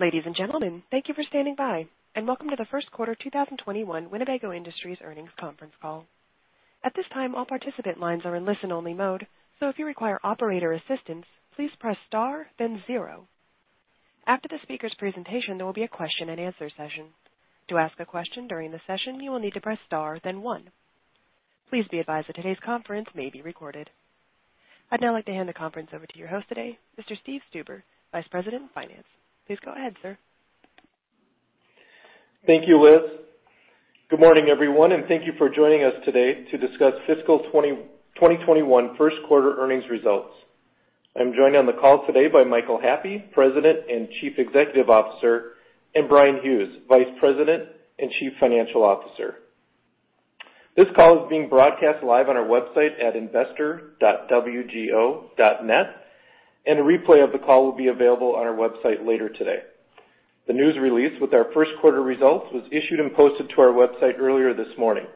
Ladies and gentlemen, thank you for standing by, and welcome to the first quarter 2021 Winnebago Industries earnings conference call. At this time, all participant lines are in listen-only mode, so if you require operator assistance, please press star, then zero. After the speaker's presentation, there will be a question-and-answer session. To ask a question during the session, you will need to press star, then one. Please be advised that today's conference may be recorded. I'd now like to hand the conference over to your host today, Mr. Steve Stuber, Vice President, Finance. Please go ahead, sir. Thank you, Liz. Good morning, everyone, and thank you for joining us today to discuss fiscal 2021 first quarter earnings results. I'm joined on the call today by Michael Happe, President and Chief Executive Officer, and Bryan Hughes, Vice President and Chief Financial Officer. This call is being broadcast live on our website at investor.wgo.net, and a replay of the call will be available on our website later today. The news release with our first quarter results was issued and posted to our website earlier this morning.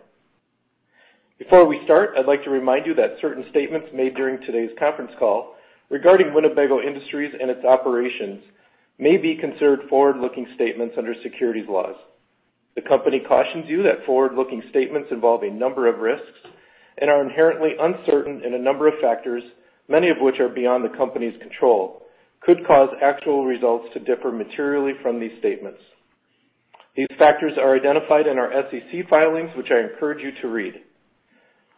Before we start, I'd like to remind you that certain statements made during today's conference call regarding Winnebago Industries and its operations may be considered forward-looking statements under securities laws. The company cautions you that forward-looking statements involve a number of risks and are inherently uncertain in a number of factors, many of which are beyond the company's control, could cause actual results to differ materially from these statements. These factors are identified in our SEC filings, which I encourage you to read.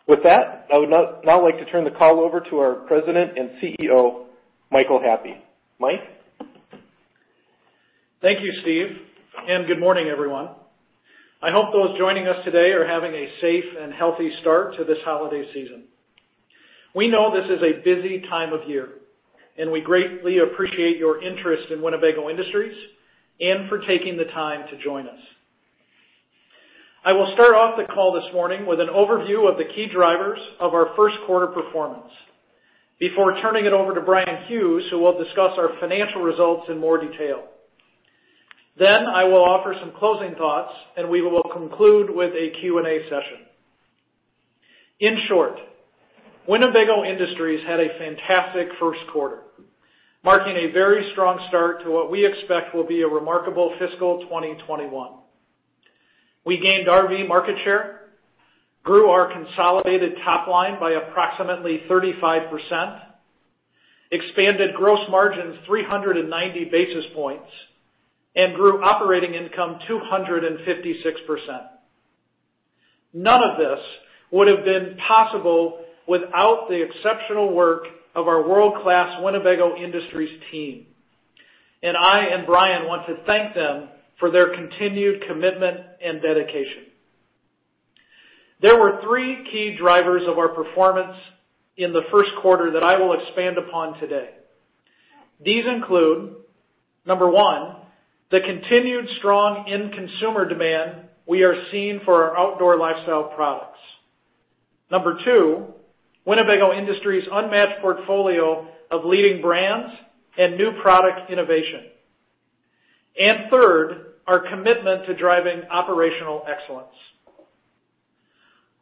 With that, I would now like to turn the call over to our President and CEO, Michael Happe. Mike. Thank you, Steve, and good morning, everyone. I hope those joining us today are having a safe and healthy start to this holiday season. We know this is a busy time of year, and we greatly appreciate your interest in Winnebago Industries and for taking the time to join us. I will start off the call this morning with an overview of the key drivers of our first quarter performance before turning it over to Bryan Hughes, who will discuss our financial results in more detail. Then I will offer some closing thoughts, and we will conclude with a Q&A session. In short, Winnebago Industries had a fantastic first quarter, marking a very strong start to what we expect will be a remarkable fiscal 2021. We gained RV market share, grew our consolidated top line by approximately 35%, expanded gross margins 390 basis points, and grew operating income 256%. None of this would have been possible without the exceptional work of our world-class Winnebago Industries team, and I and Bryan want to thank them for their continued commitment and dedication. There were three key drivers of our performance in the first quarter that I will expand upon today. These include, number one, the continued strong consumer demand we are seeing for our outdoor lifestyle products. Number two, Winnebago Industries' unmatched portfolio of leading brands and new product innovation. And third, our commitment to driving operational excellence.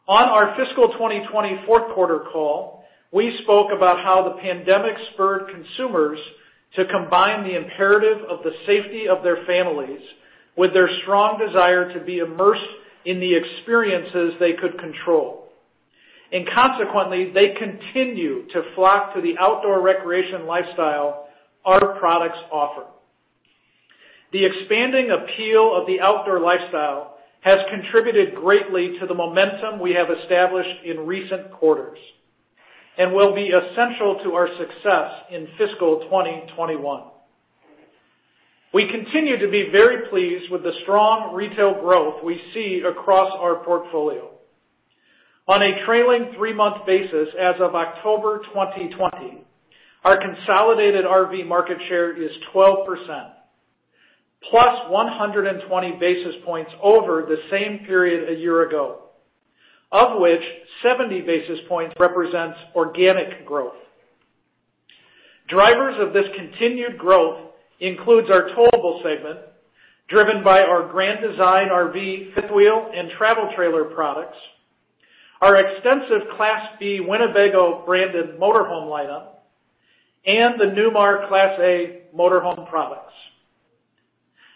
On our fiscal 2020 fourth quarter call, we spoke about how the pandemic spurred consumers to combine the imperative of the safety of their families with their strong desire to be immersed in the experiences they could control. And consequently, they continue to flock to the outdoor recreation lifestyle our products offer. The expanding appeal of the outdoor lifestyle has contributed greatly to the momentum we have established in recent quarters and will be essential to our success in fiscal 2021. We continue to be very pleased with the strong retail growth we see across our portfolio. On a trailing three-month basis, as of October 2020, our consolidated RV market share is 12%, +120 basis points over the same period a year ago, of which 70 basis points represents organic growth. Drivers of this continued growth include our towable segment driven by our Grand Design RV, fifth wheel, and travel trailer products, our extensive Class B Winnebago branded motorhome lineup, and the newer Class A motorhome products.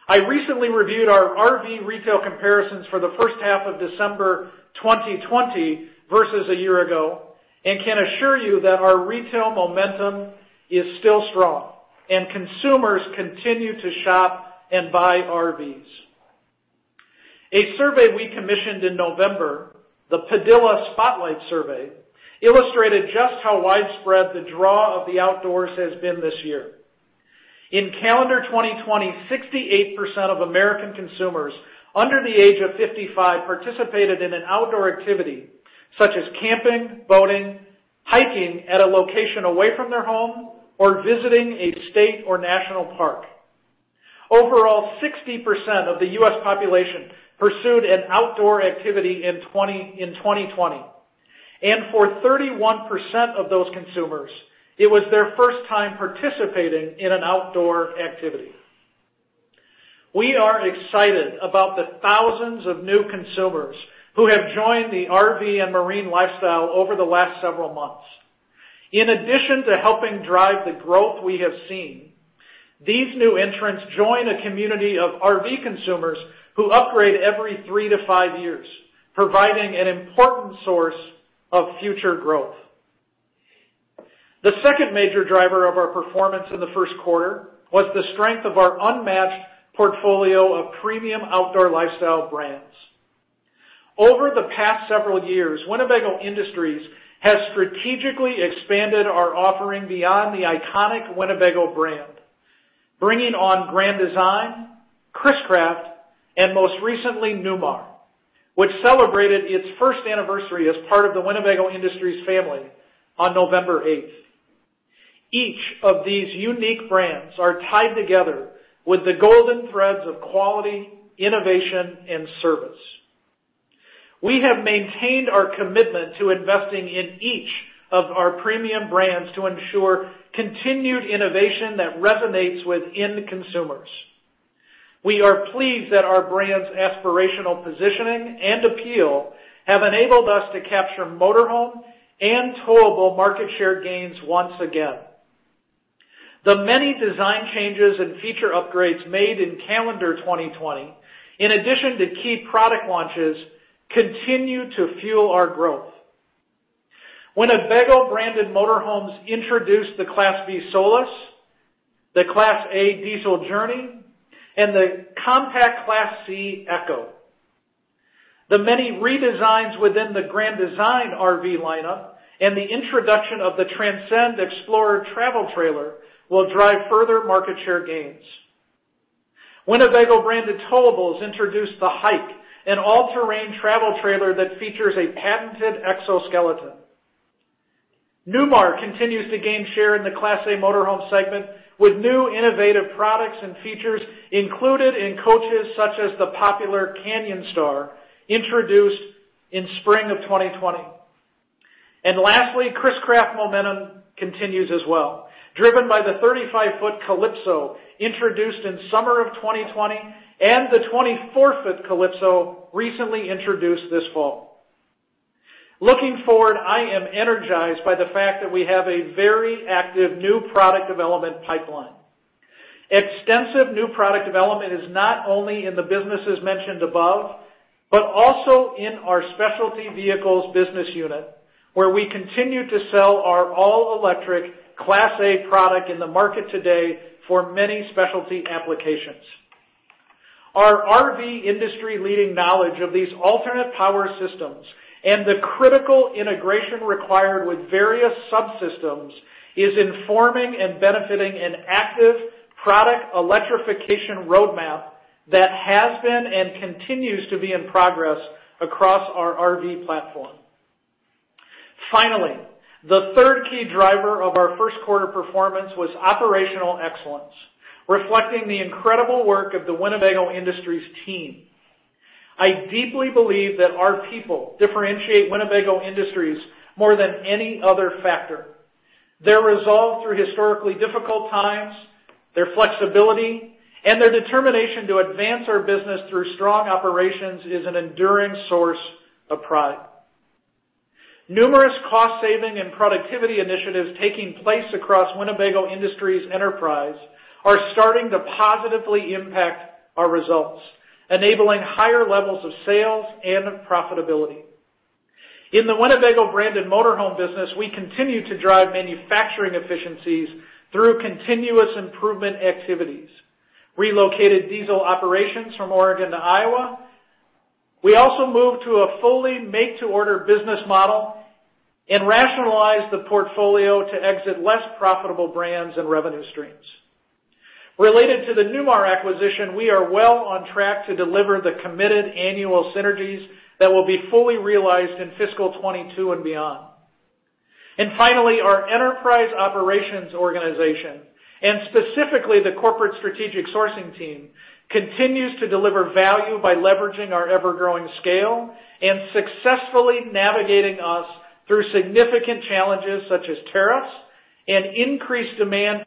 I recently reviewed our RV retail comparisons for the first half of December 2020 versus a year ago and can assure you that our retail momentum is still strong and consumers continue to shop and buy RVs. A survey we commissioned in November, the Padilla Spotlight Survey, illustrated just how widespread the draw of the outdoors has been this year. In calendar 2020, 68% of American consumers under the age of 55 participated in an outdoor activity such as camping, boating, hiking at a location away from their home, or visiting a state or national park. Overall, 60% of the U.S. population pursued an outdoor activity in 2020, and for 31% of those consumers, it was their first time participating in an outdoor activity. We are excited about the thousands of new consumers who have joined the RV and marine lifestyle over the last several months. In addition to helping drive the growth we have seen, these new entrants join a community of RV consumers who upgrade every three to five years, providing an important source of future growth. The second major driver of our performance in the first quarter was the strength of our unmatched portfolio of premium outdoor lifestyle brands. Over the past several years, Winnebago Industries has strategically expanded our offering beyond the iconic Winnebago brand, bringing on Grand Design, Chris-Craft, and most recently, Newmar, which celebrated its first anniversary as part of the Winnebago Industries family on November 8th. Each of these unique brands is tied together with the golden threads of quality, innovation, and service. We have maintained our commitment to investing in each of our premium brands to ensure continued innovation that resonates within consumers. We are pleased that our brand's aspirational positioning and appeal have enabled us to capture motorhome and towable market share gains once again. The many design changes and feature upgrades made in calendar 2020, in addition to key product launches, continue to fuel our growth. Winnebago branded motorhomes introduced the Class B Solis, the Class A Diesel Journey, and the compact Class C EKKO. The many redesigns within the Grand Design RV lineup and the introduction of the Transcend Xplor Travel Trailer will drive further market share gains. Winnebago branded towables introduced the Hike, an all-terrain travel trailer that features a patented exoskeleton. Newmar continues to gain share in the Class A motorhome segment with new innovative products and features included in coaches such as the popular Canyon Star introduced in spring of 2020. Lastly, Chris-Craft momentum continues as well, driven by the 35-foot Calypso introduced in summer of 2020 and the 24-foot Calypso recently introduced this fall. Looking forward, I am energized by the fact that we have a very active new product development pipeline. Extensive new product development is not only in the businesses mentioned above, but also in our specialty vehicles business unit, where we continue to sell our all-electric Class A product in the market today for many specialty applications. Our RV industry leading knowledge of these alternate power systems and the critical integration required with various subsystems is informing and benefiting an active product electrification roadmap that has been and continues to be in progress across our RV platform. Finally, the third key driver of our first quarter performance was operational excellence, reflecting the incredible work of the Winnebago Industries team. I deeply believe that our people differentiate Winnebago Industries more than any other factor. Their resolve through historically difficult times, their flexibility, and their determination to advance our business through strong operations is an enduring source of pride. Numerous cost-saving and productivity initiatives taking place across Winnebago Industries enterprise are starting to positively impact our results, enabling higher levels of sales and of profitability. In the Winnebago branded motorhome business, we continue to drive manufacturing efficiencies through continuous improvement activities. We relocated diesel operations from Oregon to Iowa. We also moved to a fully make-to-order business model and rationalized the portfolio to exit less profitable brands and revenue streams. Related to the Newmar acquisition, we are well on track to deliver the committed annual synergies that will be fully realized in fiscal 2022 and beyond. Finally, our enterprise operations organization, and specifically the corporate strategic sourcing team, continues to deliver value by leveraging our ever-growing scale and successfully navigating us through significant challenges such as tariffs and increased demand.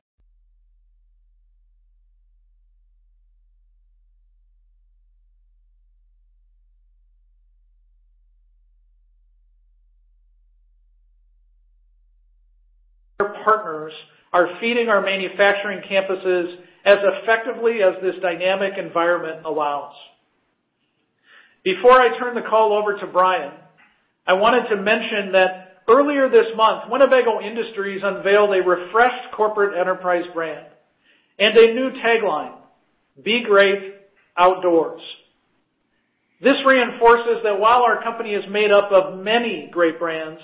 Our partners are feeding our manufacturing campuses as effectively as this dynamic environment allows. Before I turn the call over to Bryan, I wanted to mention that earlier this month, Winnebago Industries unveiled a refreshed corporate enterprise brand and a new tagline, "Be great outdoors." This reinforces that while our company is made up of many great brands,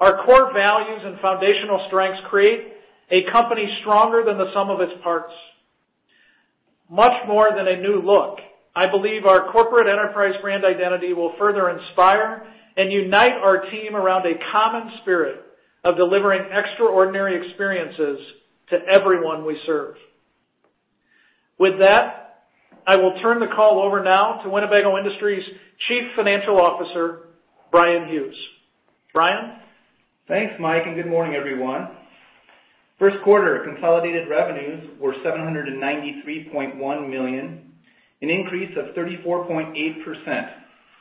our core values and foundational strengths create a company stronger than the sum of its parts. Much more than a new look, I believe our corporate enterprise brand identity will further inspire and unite our team around a common spirit of delivering extraordinary experiences to everyone we serve. With that, I will turn the call over now to Winnebago Industries Chief Financial Officer, Bryan Hughes. Bryan. Thanks, Mike, and good morning, everyone. First quarter consolidated revenues were $793.1 million, an increase of 34.8%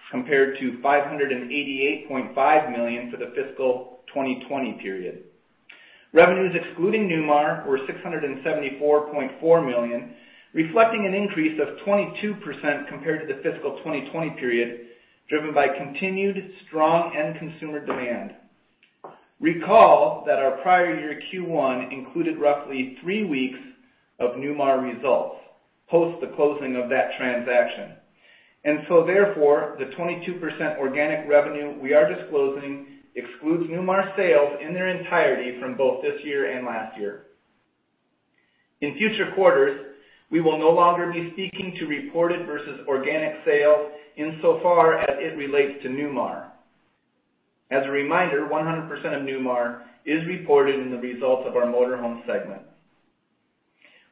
compared to $588.5 million for the fiscal 2020 period. Revenues excluding Newmar were $674.4 million, reflecting an increase of 22% compared to the fiscal 2020 period, driven by continued strong end-consumer demand. Recall that our prior year Q1 included roughly three weeks of Newmar results post the closing of that transaction. And so therefore, the 22% organic revenue we are disclosing excludes Newmar sales in their entirety from both this year and last year. In future quarters, we will no longer be speaking to reported versus organic sales insofar as it relates to Newmar. As a reminder, 100% of Newmar is reported in the results of our motorhome segment.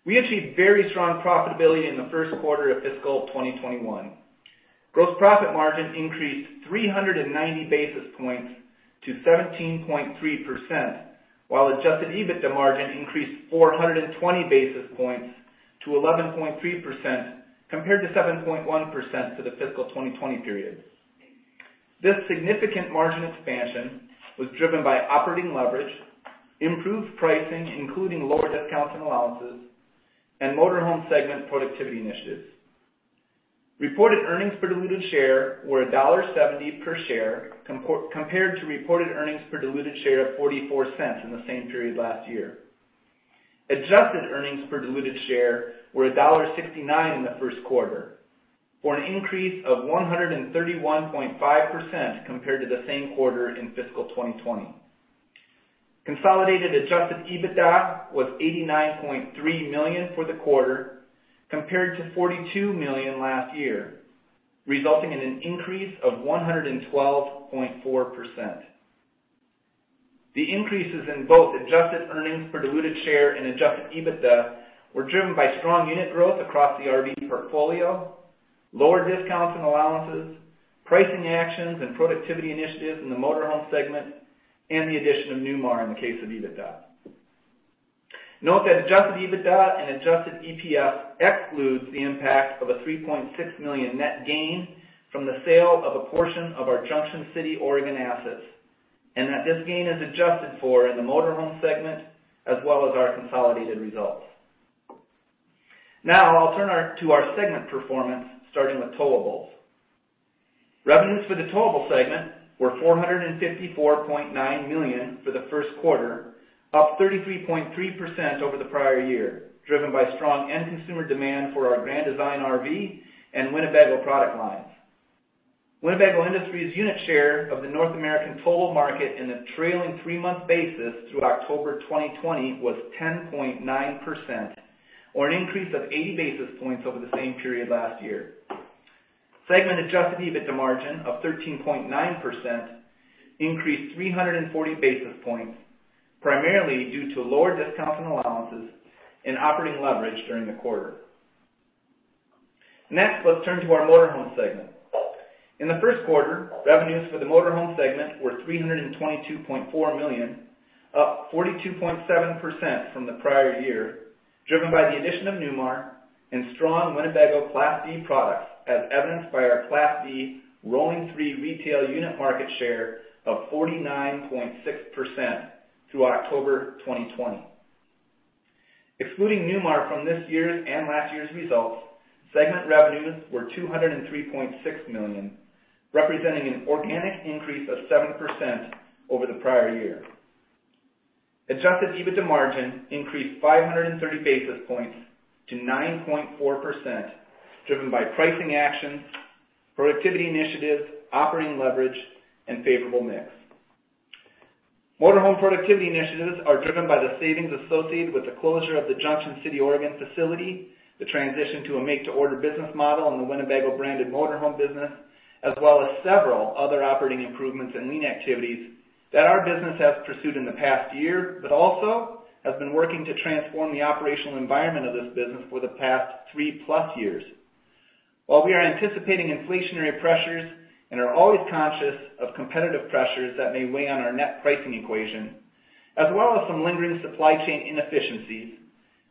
We achieved very strong profitability in the first quarter of fiscal 2021. Gross profit margin increased 390 basis points to 17.3%, while adjusted EBITDA margin increased 420 basis points to 11.3% compared to 7.1% for the fiscal 2020 period. This significant margin expansion was driven by operating leverage, improved pricing, including lower discounts and allowances, and motorhome segment productivity initiatives. Reported earnings per diluted share were $1.70 per share compared to reported earnings per diluted share of $0.44 in the same period last year. Adjusted earnings per diluted share were $1.69 in the first quarter, for an increase of 131.5% compared to the same quarter in fiscal 2020. Consolidated adjusted EBITDA was $89.3 million for the quarter compared to $42 million last year, resulting in an increase of 112.4%. The increases in both adjusted earnings per diluted share and Adjusted EBITDA were driven by strong unit growth across the RV portfolio, lower discounts and allowances, pricing actions and productivity initiatives in the motorhome segment, and the addition of Newmar in the case of EBITDA. Note that Adjusted EBITDA and adjusted EPS excludes the impact of a $3.6 million net gain from the sale of a portion of our Junction City, Oregon assets, and that this gain is adjusted for in the motorhome segment as well as our consolidated results. Now, I'll turn to our segment performance, starting with towables. Revenues for the towable segment were $454.9 million for the first quarter, up 33.3% over the prior year, driven by strong end-consumer demand for our Grand Design RV and Winnebago product lines. Winnebago Industries' unit share of the North American towable market in a trailing three-month basis through October 2020 was 10.9%, or an increase of 80 basis points over the same period last year. Segment Adjusted EBITDA margin of 13.9% increased 340 basis points, primarily due to lower discounts and allowances and operating leverage during the quarter. Next, let's turn to our motorhome segment. In the first quarter, revenues for the motorhome segment were $322.4 million, up 42.7% from the prior year, driven by the addition of Newmar and strong Winnebago Class C products, as evidenced by our Class C rolling three-month retail unit market share of 49.6% through October 2020. Excluding Newmar from this year's and last year's results, segment revenues were $203.6 million, representing an organic increase of 7% over the prior year. Adjusted EBITDA margin increased 530 basis points to 9.4%, driven by pricing actions, productivity initiatives, operating leverage, and favorable mix. Motorhome productivity initiatives are driven by the savings associated with the closure of the Junction City, Oregon facility, the transition to a make-to-order business model in the Winnebago branded motorhome business, as well as several other operating improvements and lean activities that our business has pursued in the past year, but also has been working to transform the operational environment of this business for the past three plus years. While we are anticipating inflationary pressures and are always conscious of competitive pressures that may weigh on our net pricing equation, as well as some lingering supply chain inefficiencies,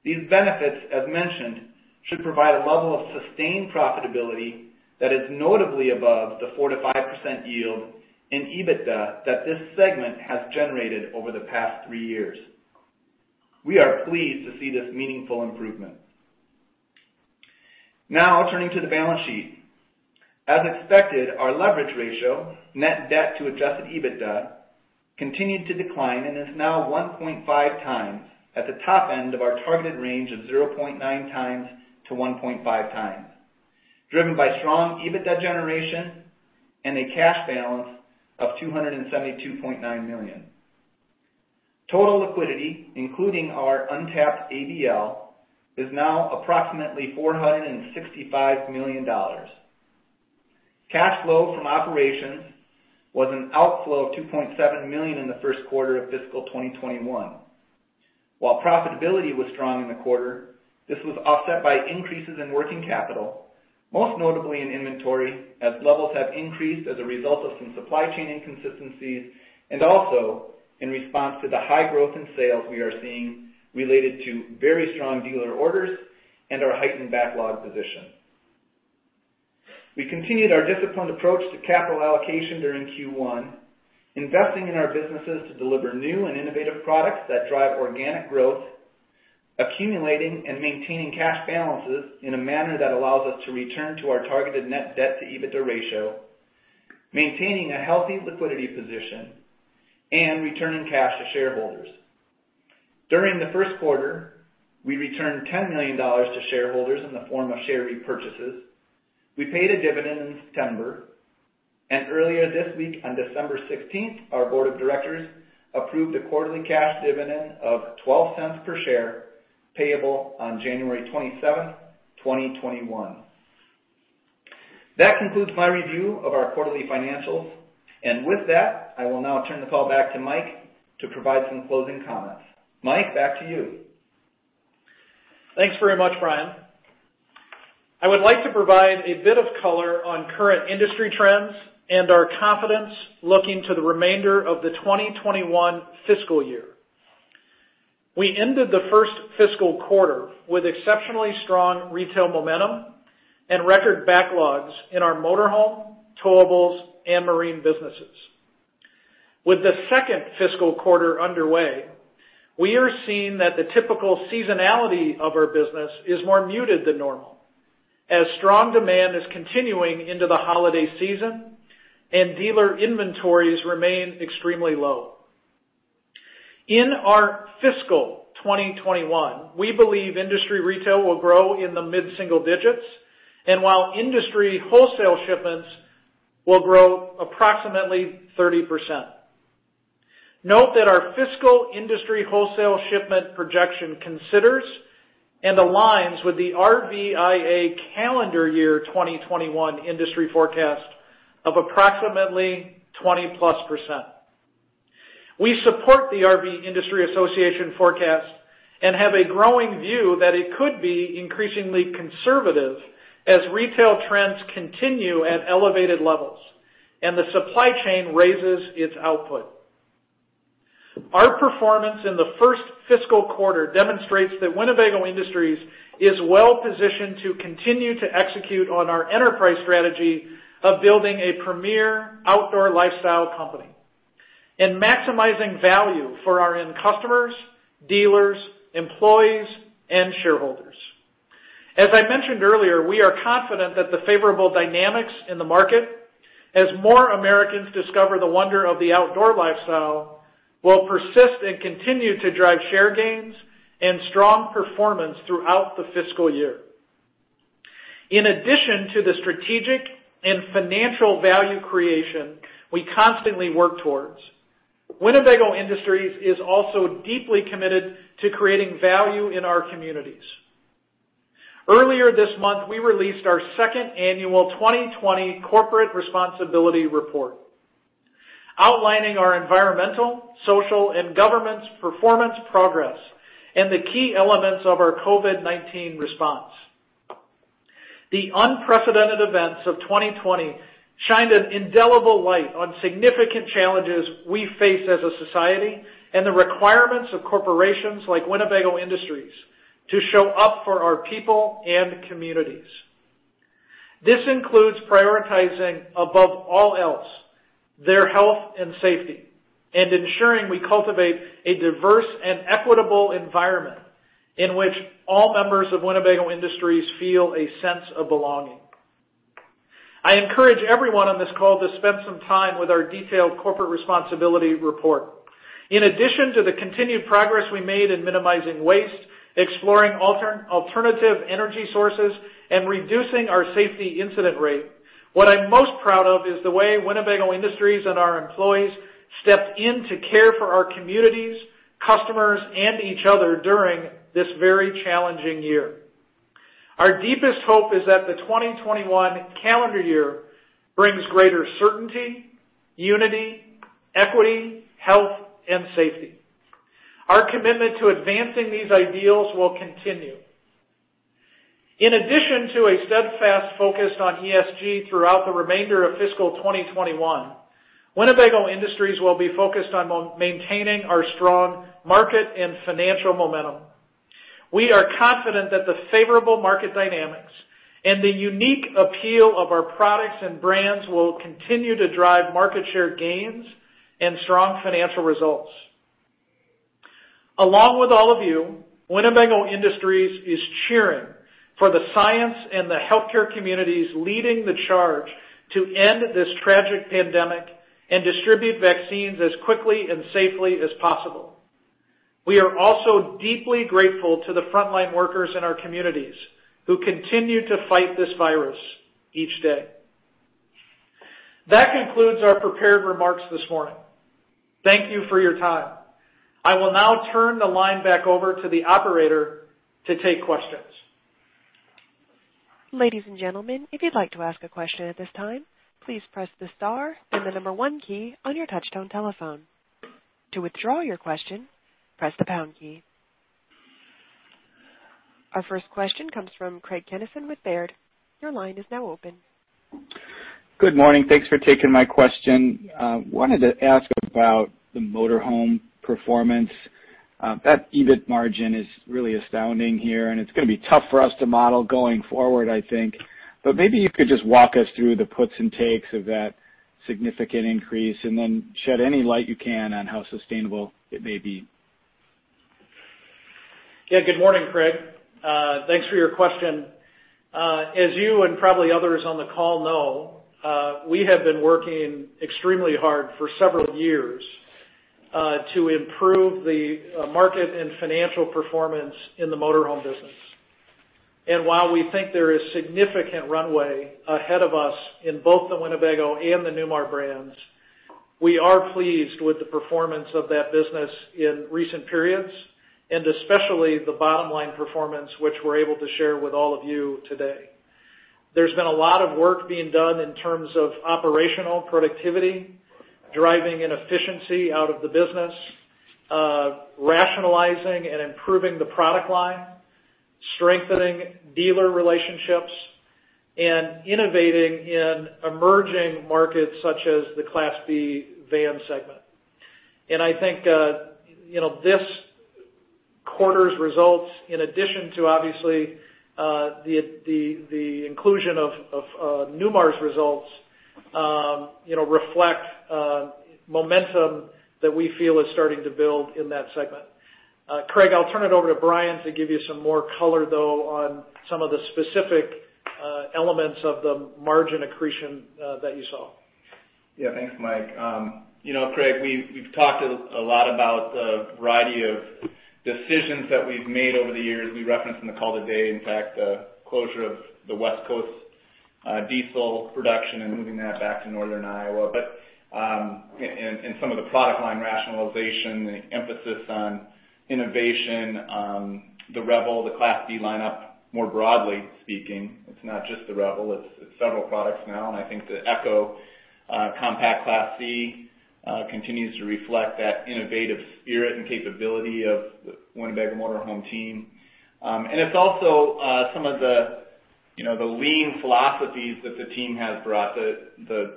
these benefits, as mentioned, should provide a level of sustained profitability that is notably above the 4%-5% yield in EBITDA that this segment has generated over the past three years. We are pleased to see this meaningful improvement. Now, turning to the balance sheet. As expected, our leverage ratio, net debt to Adjusted EBITDA, continued to decline and is now 1.5 times at the top end of our targeted range of 0.9 times-1.5 times, driven by strong EBITDA generation and a cash balance of $272.9 million. Total liquidity, including our untapped ABL, is now approximately $465 million. Cash flow from operations was an outflow of $2.7 million in the first quarter of fiscal 2021. While profitability was strong in the quarter, this was offset by increases in working capital, most notably in inventory, as levels have increased as a result of some supply chain inconsistencies and also in response to the high growth in sales we are seeing related to very strong dealer orders and our heightened backlog position. We continued our disciplined approach to capital allocation during Q1, investing in our businesses to deliver new and innovative products that drive organic growth, accumulating and maintaining cash balances in a manner that allows us to return to our targeted net debt to EBITDA ratio, maintaining a healthy liquidity position, and returning cash to shareholders. During the first quarter, we returned $10 million to shareholders in the form of share repurchases. We paid a dividend in September, and earlier this week, on December 16th, our board of directors approved a quarterly cash dividend of $0.12 per share payable on January 27th, 2021. That concludes my review of our quarterly financials, and with that, I will now turn the call back to Mike to provide some closing comments. Mike, back to you. Thanks very much, Bryan. I would like to provide a bit of color on current industry trends and our confidence looking to the remainder of the 2021 fiscal year. We ended the first fiscal quarter with exceptionally strong retail momentum and record backlogs in our motorhome, towables, and marine businesses. With the second fiscal quarter underway, we are seeing that the typical seasonality of our business is more muted than normal, as strong demand is continuing into the holiday season and dealer inventories remain extremely low. In our fiscal 2021, we believe industry retail will grow in the mid-single digits, and while industry wholesale shipments will grow approximately 30%. Note that our fiscal industry wholesale shipment projection considers and aligns with the RVIA calendar year 2021 industry forecast of approximately 20-plus%. We support the RV Industry Association forecast and have a growing view that it could be increasingly conservative as retail trends continue at elevated levels and the supply chain raises its output. Our performance in the first fiscal quarter demonstrates that Winnebago Industries is well positioned to continue to execute on our enterprise strategy of building a premier outdoor lifestyle company and maximizing value for our end customers, dealers, employees, and shareholders. As I mentioned earlier, we are confident that the favorable dynamics in the market, as more Americans discover the wonder of the outdoor lifestyle, will persist and continue to drive share gains and strong performance throughout the fiscal year. In addition to the strategic and financial value creation we constantly work towards, Winnebago Industries is also deeply committed to creating value in our communities. Earlier this month, we released our second annual 2020 corporate responsibility report, outlining our environmental, social, and governance's performance progress and the key elements of our COVID-19 response. The unprecedented events of 2020 shined an indelible light on significant challenges we face as a society and the requirements of corporations like Winnebago Industries to show up for our people and communities. This includes prioritizing above all else their health and safety and ensuring we cultivate a diverse and equitable environment in which all members of Winnebago Industries feel a sense of belonging. I encourage everyone on this call to spend some time with our detailed corporate responsibility report. In addition to the continued progress we made in minimizing waste, exploring alternative energy sources, and reducing our safety incident rate, what I'm most proud of is the way Winnebago Industries and our employees stepped in to care for our communities, customers, and each other during this very challenging year. Our deepest hope is that the 2021 calendar year brings greater certainty, unity, equity, health, and safety. Our commitment to advancing these ideals will continue. In addition to a steadfast focus on ESG throughout the remainder of fiscal 2021, Winnebago Industries will be focused on maintaining our strong market and financial momentum. We are confident that the favorable market dynamics and the unique appeal of our products and brands will continue to drive market share gains and strong financial results. Along with all of you, Winnebago Industries is cheering for the science and the healthcare communities leading the charge to end this tragic pandemic and distribute vaccines as quickly and safely as possible. We are also deeply grateful to the frontline workers in our communities who continue to fight this virus each day. That concludes our prepared remarks this morning. Thank you for your time. I will now turn the line back over to the operator to take questions. Ladies and gentlemen, if you'd like to ask a question at this time, please press the star and the number one key on your touch-tone telephone. To withdraw your question, press the pound key. Our first question comes from Craig Kennison with Baird. Your line is now open. Good morning. Thanks for taking my question. I wanted to ask about the motorhome performance. That EBIT margin is really astounding here, and it's going to be tough for us to model going forward, I think. But maybe you could just walk us through the puts and takes of that significant increase and then shed any light you can on how sustainable it may be. Yeah. Good morning, Craig. Thanks for your question. As you and probably others on the call know, we have been working extremely hard for several years to improve the market and financial performance in the motorhome business, and while we think there is significant runway ahead of us in both the Winnebago and the Newmar brands, we are pleased with the performance of that business in recent periods and especially the bottom-line performance which we're able to share with all of you today. There's been a lot of work being done in terms of operational productivity, driving inefficiency out of the business, rationalizing and improving the product line, strengthening dealer relationships, and innovating in emerging markets such as the Class B van segment, and I think this quarter's results, in addition to obviously the inclusion of Newmar's results, reflect momentum that we feel is starting to build in that segment. Craig, I'll turn it over to Bryan to give you some more color, though, on some of the specific elements of the margin accretion that you saw. Yeah. Thanks, Mike. Craig, we've talked a lot about the variety of decisions that we've made over the years. We referenced in the call today, in fact, the closure of the West Coast diesel production and moving that back to northern Iowa, and some of the product line rationalization, the emphasis on innovation, the Revel, the Class D lineup, more broadly speaking. It's not just the Revel. It's several products now. And I think the EKKO Compact Class C continues to reflect that innovative spirit and capability of the Winnebago motorhome team. And it's also some of the lean philosophies that the team has brought. The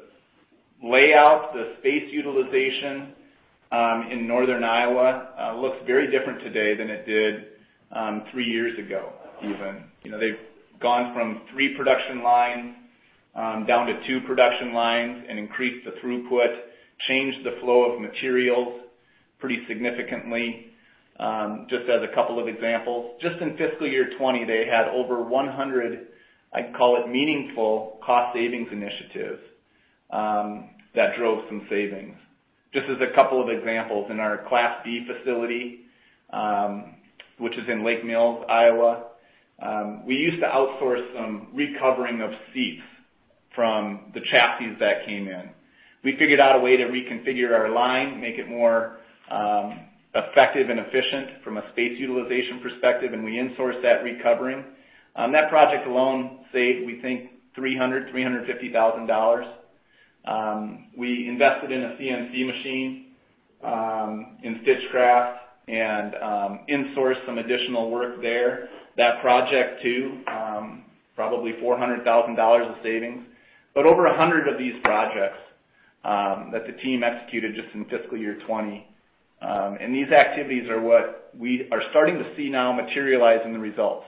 layout, the space utilization in northern Iowa looks very different today than it did three years ago even. They've gone from three production lines down to two production lines and increased the throughput, changed the flow of materials pretty significantly. Just as a couple of examples, just in fiscal year 2020, they had over 100, I'd call it, meaningful cost savings initiatives that drove some savings. Just as a couple of examples, in our Class B facility, which is in Lake Mills, Iowa, we used to outsource some recovering of seats from the chassis that came in. We figured out a way to reconfigure our line, make it more effective and efficient from a space utilization perspective, and we insourced that recovering. That project alone saved, we think, $300,000-$350,000. We invested in a CNC machine in Stitchcraft and insourced some additional work there. That project too, probably $400,000 of savings, but over 100 of these projects that the team executed just in fiscal year 2020, and these activities are what we are starting to see now materialize in the results.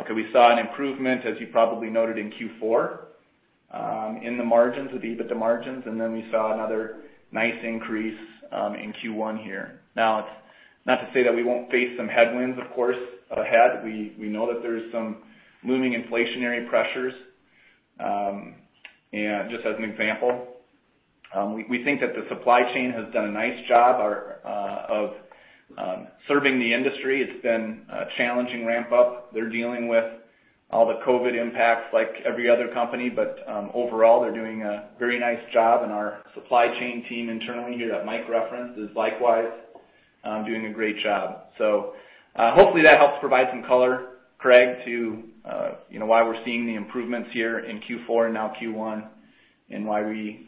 Okay. We saw an improvement, as you probably noted in Q4, in the margins, the EBITDA margins, and then we saw another nice increase in Q1 here. Now, it's not to say that we won't face some headwinds, of course, ahead. We know that there are some looming inflationary pressures. And just as an example, we think that the supply chain has done a nice job of serving the industry. It's been a challenging ramp-up. They're dealing with all the COVID impacts like every other company, but overall, they're doing a very nice job. And our supply chain team internally here that Mike referenced is likewise doing a great job. So hopefully that helps provide some color, Craig, to why we're seeing the improvements here in Q4 and now Q1 and why we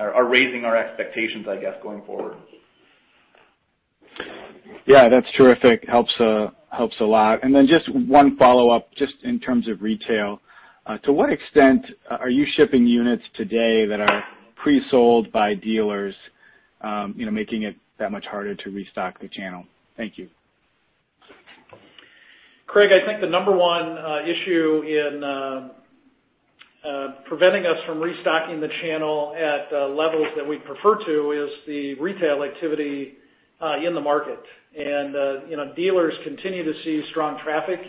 are raising our expectations, I guess, going forward. Yeah. That's terrific. Helps a lot. And then just one follow-up, just in terms of retail. To what extent are you shipping units today that are pre-sold by dealers, making it that much harder to restock the channel? Thank you. Craig, I think the number one issue in preventing us from restocking the channel at levels that we'd prefer to is the retail activity in the market. And dealers continue to see strong traffic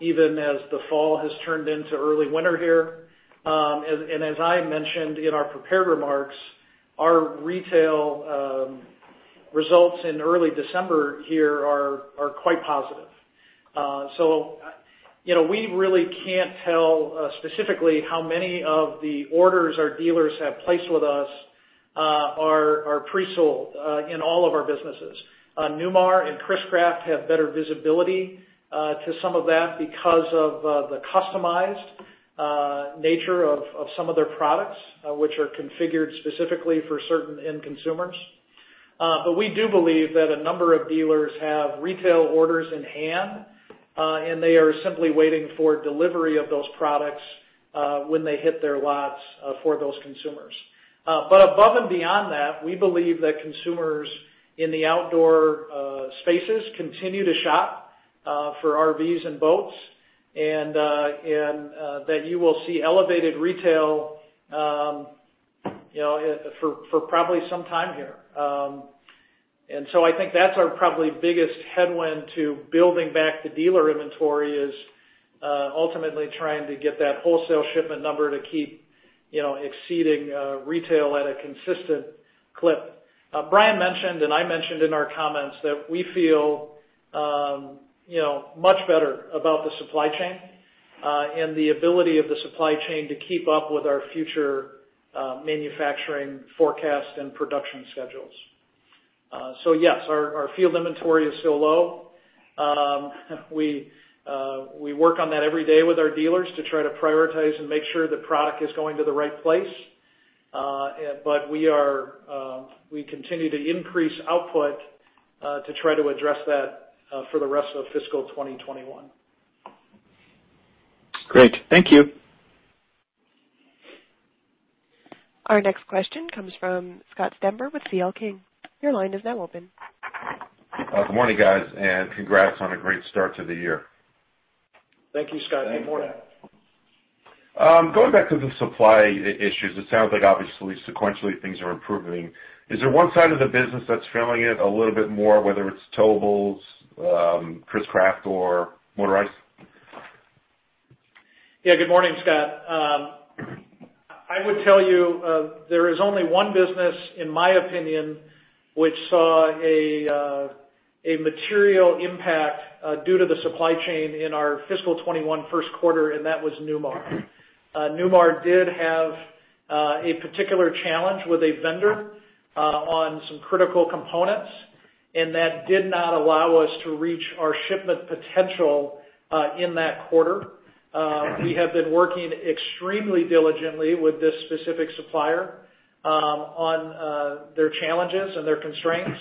even as the fall has turned into early winter here. And as I mentioned in our prepared remarks, our retail results in early December here are quite positive. So we really can't tell specifically how many of the orders our dealers have placed with us are pre-sold in all of our businesses. Newmar and Chris-Craft have better visibility to some of that because of the customized nature of some of their products, which are configured specifically for certain end consumers. But we do believe that a number of dealers have retail orders in hand, and they are simply waiting for delivery of those products when they hit their lots for those consumers. But above and beyond that, we believe that consumers in the outdoor spaces continue to shop for RVs and boats and that you will see elevated retail for probably some time here. And so I think that's our probably biggest headwind to building back the dealer inventory is ultimately trying to get that wholesale shipment number to keep exceeding retail at a consistent clip. Bryan mentioned, and I mentioned in our comments, that we feel much better about the supply chain and the ability of the supply chain to keep up with our future manufacturing forecast and production schedules. So yes, our field inventory is still low. We work on that every day with our dealers to try to prioritize and make sure the product is going to the right place. But we continue to increase output to try to address that for the rest of fiscal 2021. Great. Thank you. Our next question comes from Scott Stember with C.L. King. Your line is now open. Good morning, guys. And congrats on a great start to the year. Thank you, Scott. Good morning. Thank you, Matt. Going back to the supply issues, it sounds like obviously sequentially things are improving. Is there one side of the business that's filling it a little bit more, whether it's Towables, Chris-Craft, or Motorized? Yeah. Good morning, Scott. I would tell you there is only one business, in my opinion, which saw a material impact due to the supply chain in our fiscal 2021 first quarter, and that was Newmar. Newmar did have a particular challenge with a vendor on some critical components, and that did not allow us to reach our shipment potential in that quarter. We have been working extremely diligently with this specific supplier on their challenges and their constraints.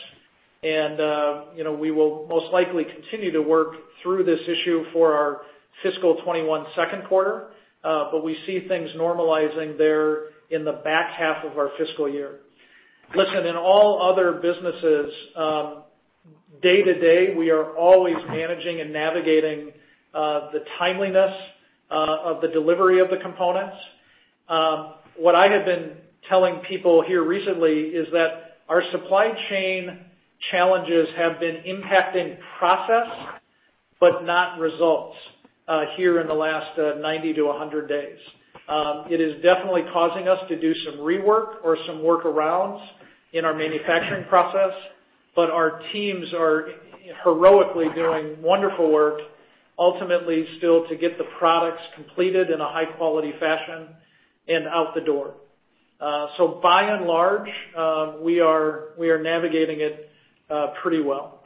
And we will most likely continue to work through this issue for our fiscal 2021 second quarter, but we see things normalizing there in the back half of our fiscal year. Listen, in all other businesses, day to day, we are always managing and navigating the timeliness of the delivery of the components. What I have been telling people here recently is that our supply chain challenges have been impacting process but not results here in the last 90-100 days. It is definitely causing us to do some rework or some workarounds in our manufacturing process, but our teams are heroically doing wonderful work, ultimately still to get the products completed in a high-quality fashion and out the door, so by and large, we are navigating it pretty well.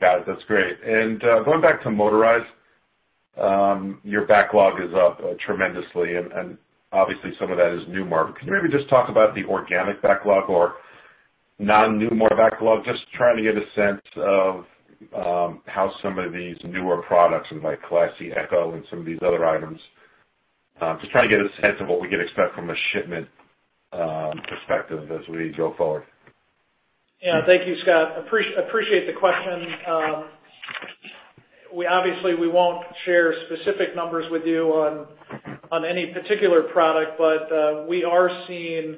That's great, and going back to Motorized, your backlog is up tremendously, and obviously some of that is Newmar. Can you maybe just talk about the organic backlog or non-Newmar backlog, just trying to get a sense of how some of these newer products like Class C, EKKO, and some of these other items, just trying to get a sense of what we can expect from a shipment perspective as we go forward? Yeah. Thank you, Scott. Appreciate the question. Obviously, we won't share specific numbers with you on any particular product, but we are seeing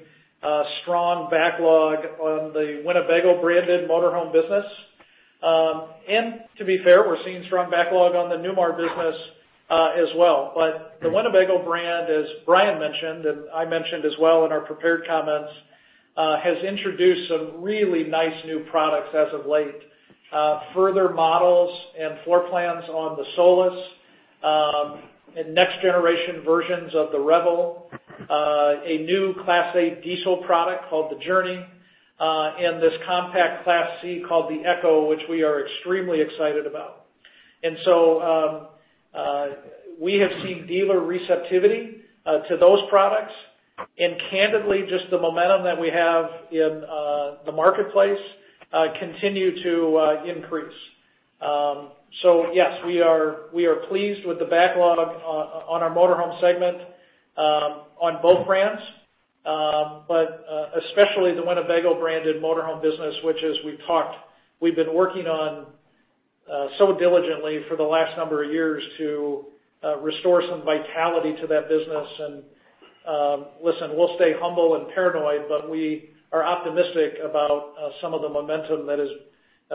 strong backlog on the Winnebago branded motorhome business. And to be fair, we're seeing strong backlog on the Newmar business as well. But the Winnebago brand, as Bryan mentioned and I mentioned as well in our prepared comments, has introduced some really nice new products as of late. Further models and floor plans on the Solis and next-generation versions of the Revel, a new Class A diesel product called the Journey, and this compact Class C called the EKKO, which we are extremely excited about. And so we have seen dealer receptivity to those products, and candidly, just the momentum that we have in the marketplace continues to increase. So yes, we are pleased with the backlog on our motorhome segment on both brands, but especially the Winnebago branded motorhome business, which is, we've been working on so diligently for the last number of years to restore some vitality to that business. And listen, we'll stay humble and paranoid, but we are optimistic about some of the momentum that is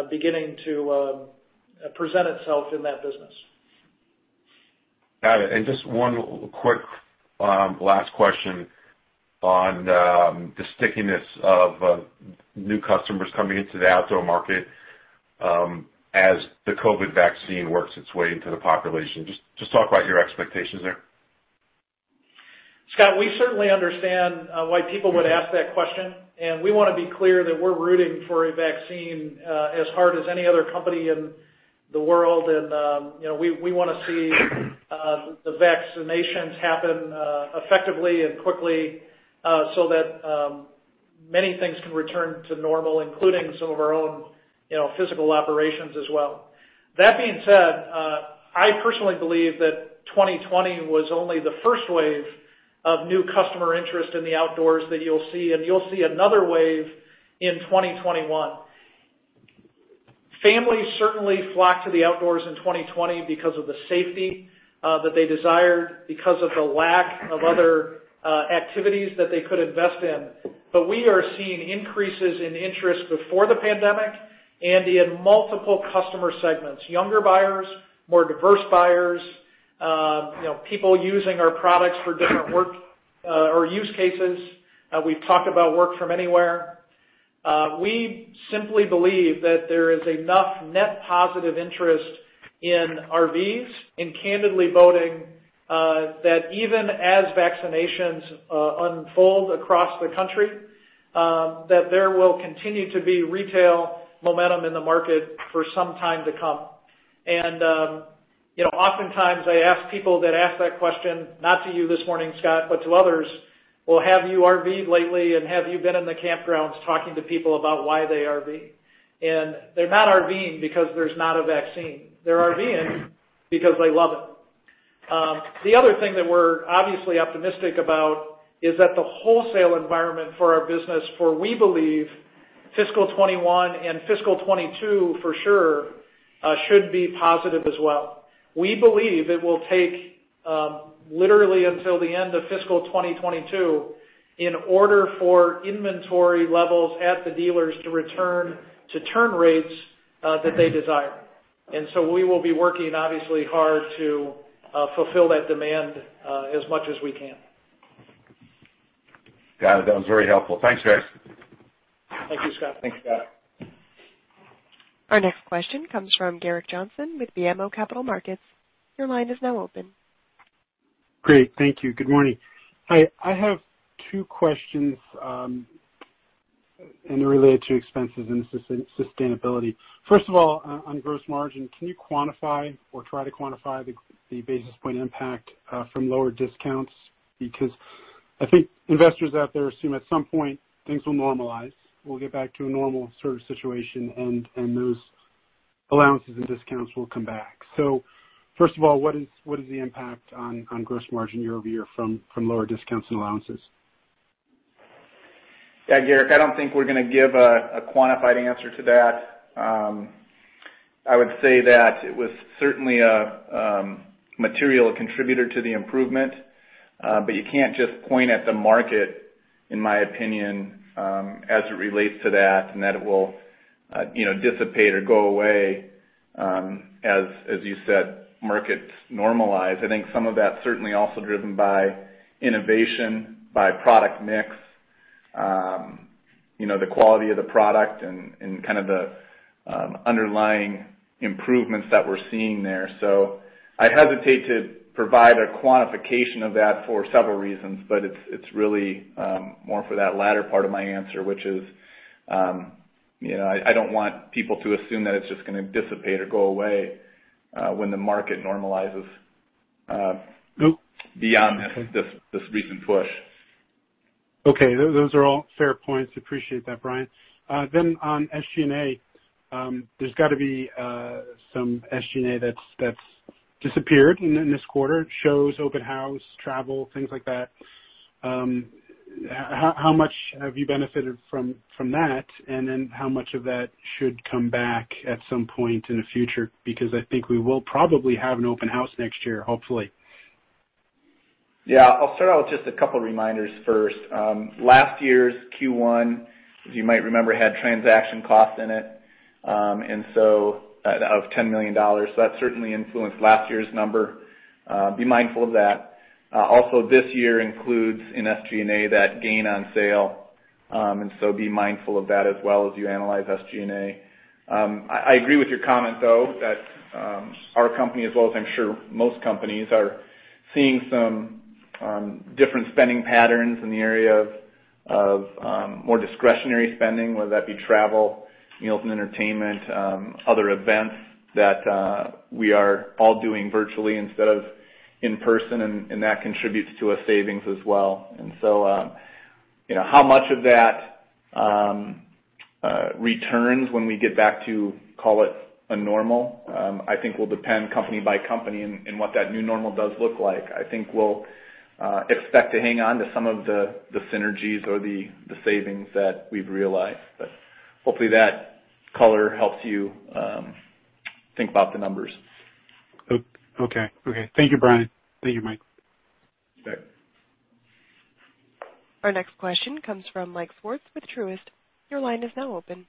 beginning to present itself in that business. Got it, and just one quick last question on the stickiness of new customers coming into the outdoor market as the COVID vaccine works its way into the population. Just talk about your expectations there. Scott, we certainly understand why people would ask that question. And we want to be clear that we're rooting for a vaccine as hard as any other company in the world. And we want to see the vaccinations happen effectively and quickly so that many things can return to normal, including some of our own physical operations as well. That being said, I personally believe that 2020 was only the first wave of new customer interest in the outdoors that you'll see, and you'll see another wave in 2021. Families certainly flocked to the outdoors in 2020 because of the safety that they desired, because of the lack of other activities that they could invest in. But we are seeing increases in interest before the pandemic and in multiple customer segments: younger buyers, more diverse buyers, people using our products for different work or use cases. We've talked about work from anywhere. We simply believe that there is enough net positive interest in RVs and candidly noting that even as vaccinations unfold across the country, that there will continue to be retail momentum in the market for some time to come. And oftentimes, I ask people that ask that question, not to you this morning, Scott, but to others, "Well, have you RV'd lately? And have you been in the campgrounds talking to people about why they RV?" And they're not RVing because there's not a vaccine. They're RVing because they love it. The other thing that we're obviously optimistic about is that the wholesale environment for our business, for we believe fiscal 2021 and fiscal 2022 for sure should be positive as well. We believe it will take literally until the end of fiscal 2022 in order for inventory levels at the dealers to return to turn rates that they desire, and so we will be working obviously hard to fulfill that demand as much as we can. Got it. That was very helpful. Thanks, guys. Thank you, Scott. Thanks, Scott. Our next question comes from Garrick Johnson with BMO Capital Markets. Your line is now open. Great. Thank you. Good morning. Hi. I have two questions, and they're related to expenses and sustainability. First of all, on gross margin, can you quantify or try to quantify the basis point impact from lower discounts? Because I think investors out there assume at some point things will normalize, we'll get back to a normal sort of situation, and those allowances and discounts will come back. So first of all, what is the impact on gross margin year over year from lower discounts and allowances? Yeah. Garrick, I don't think we're going to give a quantified answer to that. I would say that it was certainly a material contributor to the improvement, but you can't just point at the market, in my opinion, as it relates to that and that it will dissipate or go away. As you said, markets normalize. I think some of that's certainly also driven by innovation, by product mix, the quality of the product, and kind of the underlying improvements that we're seeing there. So I hesitate to provide a quantification of that for several reasons, but it's really more for that latter part of my answer, which is I don't want people to assume that it's just going to dissipate or go away when the market normalizes beyond this recent push. Okay. Those are all fair points. Appreciate that, Bryan. Then on SG&A, there's got to be some SG&A that's disappeared in this quarter: shows, open house, travel, things like that. How much have you benefited from that? And then how much of that should come back at some point in the future? Because I think we will probably have an open house next year, hopefully. Yeah. I'll start out with just a couple of reminders first. Last year's Q1, as you might remember, had transaction costs in it of $10 million. So that certainly influenced last year's number. Be mindful of that. Also, this year includes in SG&A that gain on sale. And so be mindful of that as well as you analyze SG&A. I agree with your comment, though, that our company, as well as I'm sure most companies, are seeing some different spending patterns in the area of more discretionary spending, whether that be travel, meals, and entertainment, other events that we are all doing virtually instead of in person, and that contributes to our savings as well. And so how much of that returns when we get back to, call it a normal, I think will depend company by company and what that new normal does look like. I think we'll expect to hang on to some of the synergies or the savings that we've realized. But hopefully that color helps you think about the numbers. Okay. Okay. Thank you, Bryan. Thank you, Mike. Bye. Our next question comes from Mike Swartz with Truist. Your line is now open.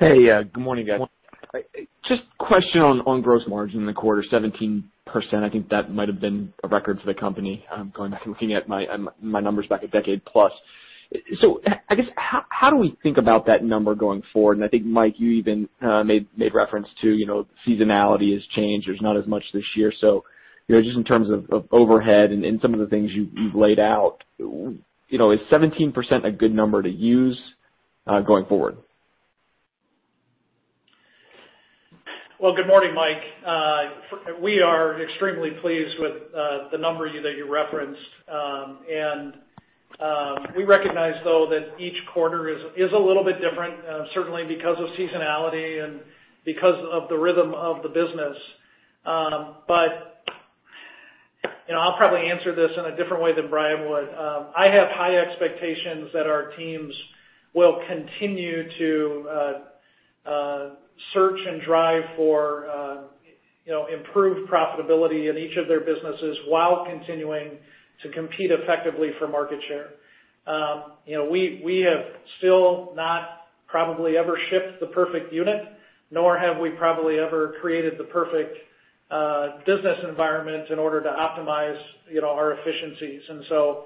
Hey. Good morning, guys. Just a question on gross margin in the quarter, 17%. I think that might have been a record for the company. I'm going back and looking at my numbers back a decade plus. So I guess how do we think about that number going forward? And I think, Mike, you even made reference to seasonality has changed. There's not as much this year. So just in terms of overhead and some of the things you've laid out, is 17% a good number to use going forward? Good morning, Mike. We are extremely pleased with the number that you referenced. And we recognize, though, that each quarter is a little bit different, certainly because of seasonality and because of the rhythm of the business. But I'll probably answer this in a different way than Bryan would. I have high expectations that our teams will continue to search and drive for improved profitability in each of their businesses while continuing to compete effectively for market share. We have still not probably ever shipped the perfect unit, nor have we probably ever created the perfect business environment in order to optimize our efficiencies. And so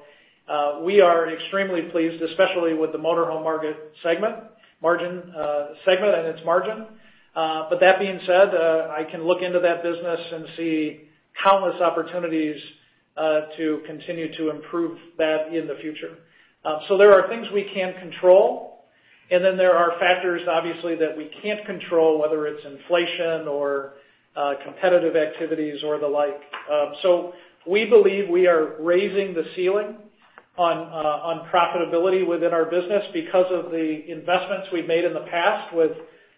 we are extremely pleased, especially with the motorhome market segment, margin segment and its margin. But that being said, I can look into that business and see countless opportunities to continue to improve that in the future. There are things we can control, and then there are factors, obviously, that we can't control, whether it's inflation or competitive activities or the like. We believe we are raising the ceiling on profitability within our business because of the investments we've made in the past with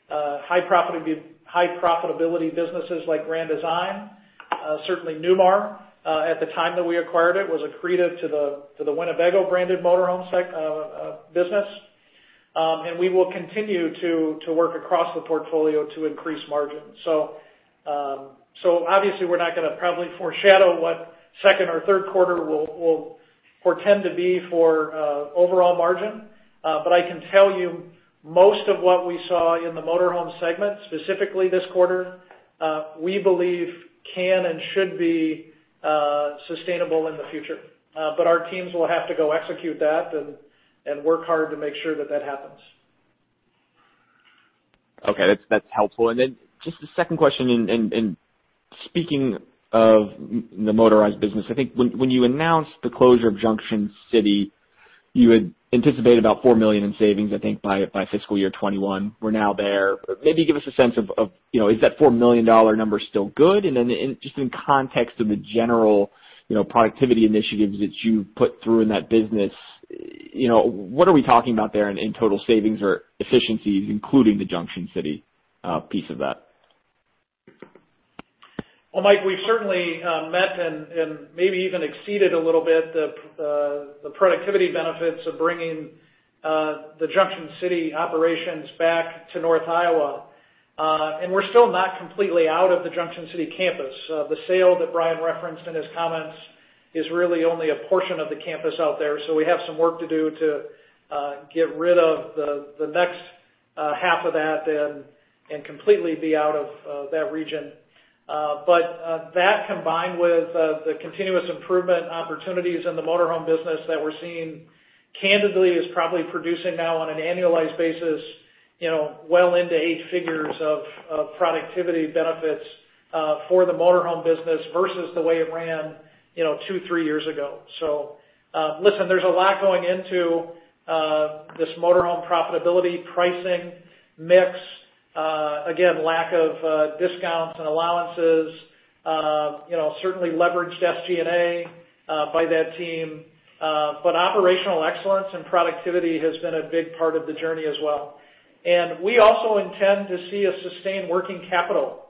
high profitability businesses like Grand Design. Certainly, Newmar, at the time that we acquired it, was a drag on the Winnebago branded motorhome business. We will continue to work across the portfolio to increase margin. Obviously, we're not going to probably foreshadow what second or third quarter will tend to be for overall margin. I can tell you most of what we saw in the motorhome segment, specifically this quarter, we believe can and should be sustainable in the future. Our teams will have to go execute that and work hard to make sure that that happens. Okay. That's helpful. And then just a second question. And speaking of the motorized business, I think when you announced the closure of Junction City, you had anticipated about $4 million in savings, I think, by fiscal year 2021. We're now there. Maybe give us a sense of is that $4 million number still good? And then just in context of the general productivity initiatives that you've put through in that business, what are we talking about there in total savings or efficiencies, including the Junction City piece of that? Mike, we've certainly met and maybe even exceeded a little bit the productivity benefits of bringing the Junction City operations back to North Iowa. We're still not completely out of the Junction City campus. The sale that Bryan referenced in his comments is really only a portion of the campus out there. We have some work to do to get rid of the next half of that and completely be out of that region. That, combined with the continuous improvement opportunities in the motorhome business that we're seeing, candidly, is probably producing now on an annualized basis well into eight figures of productivity benefits for the motorhome business versus the way it ran two, three years ago. Listen, there's a lot going into this motorhome profitability pricing mix. Again, lack of discounts and allowances, certainly leveraged SG&A by that team. But operational excellence and productivity has been a big part of the journey as well. And we also intend to see a sustained working capital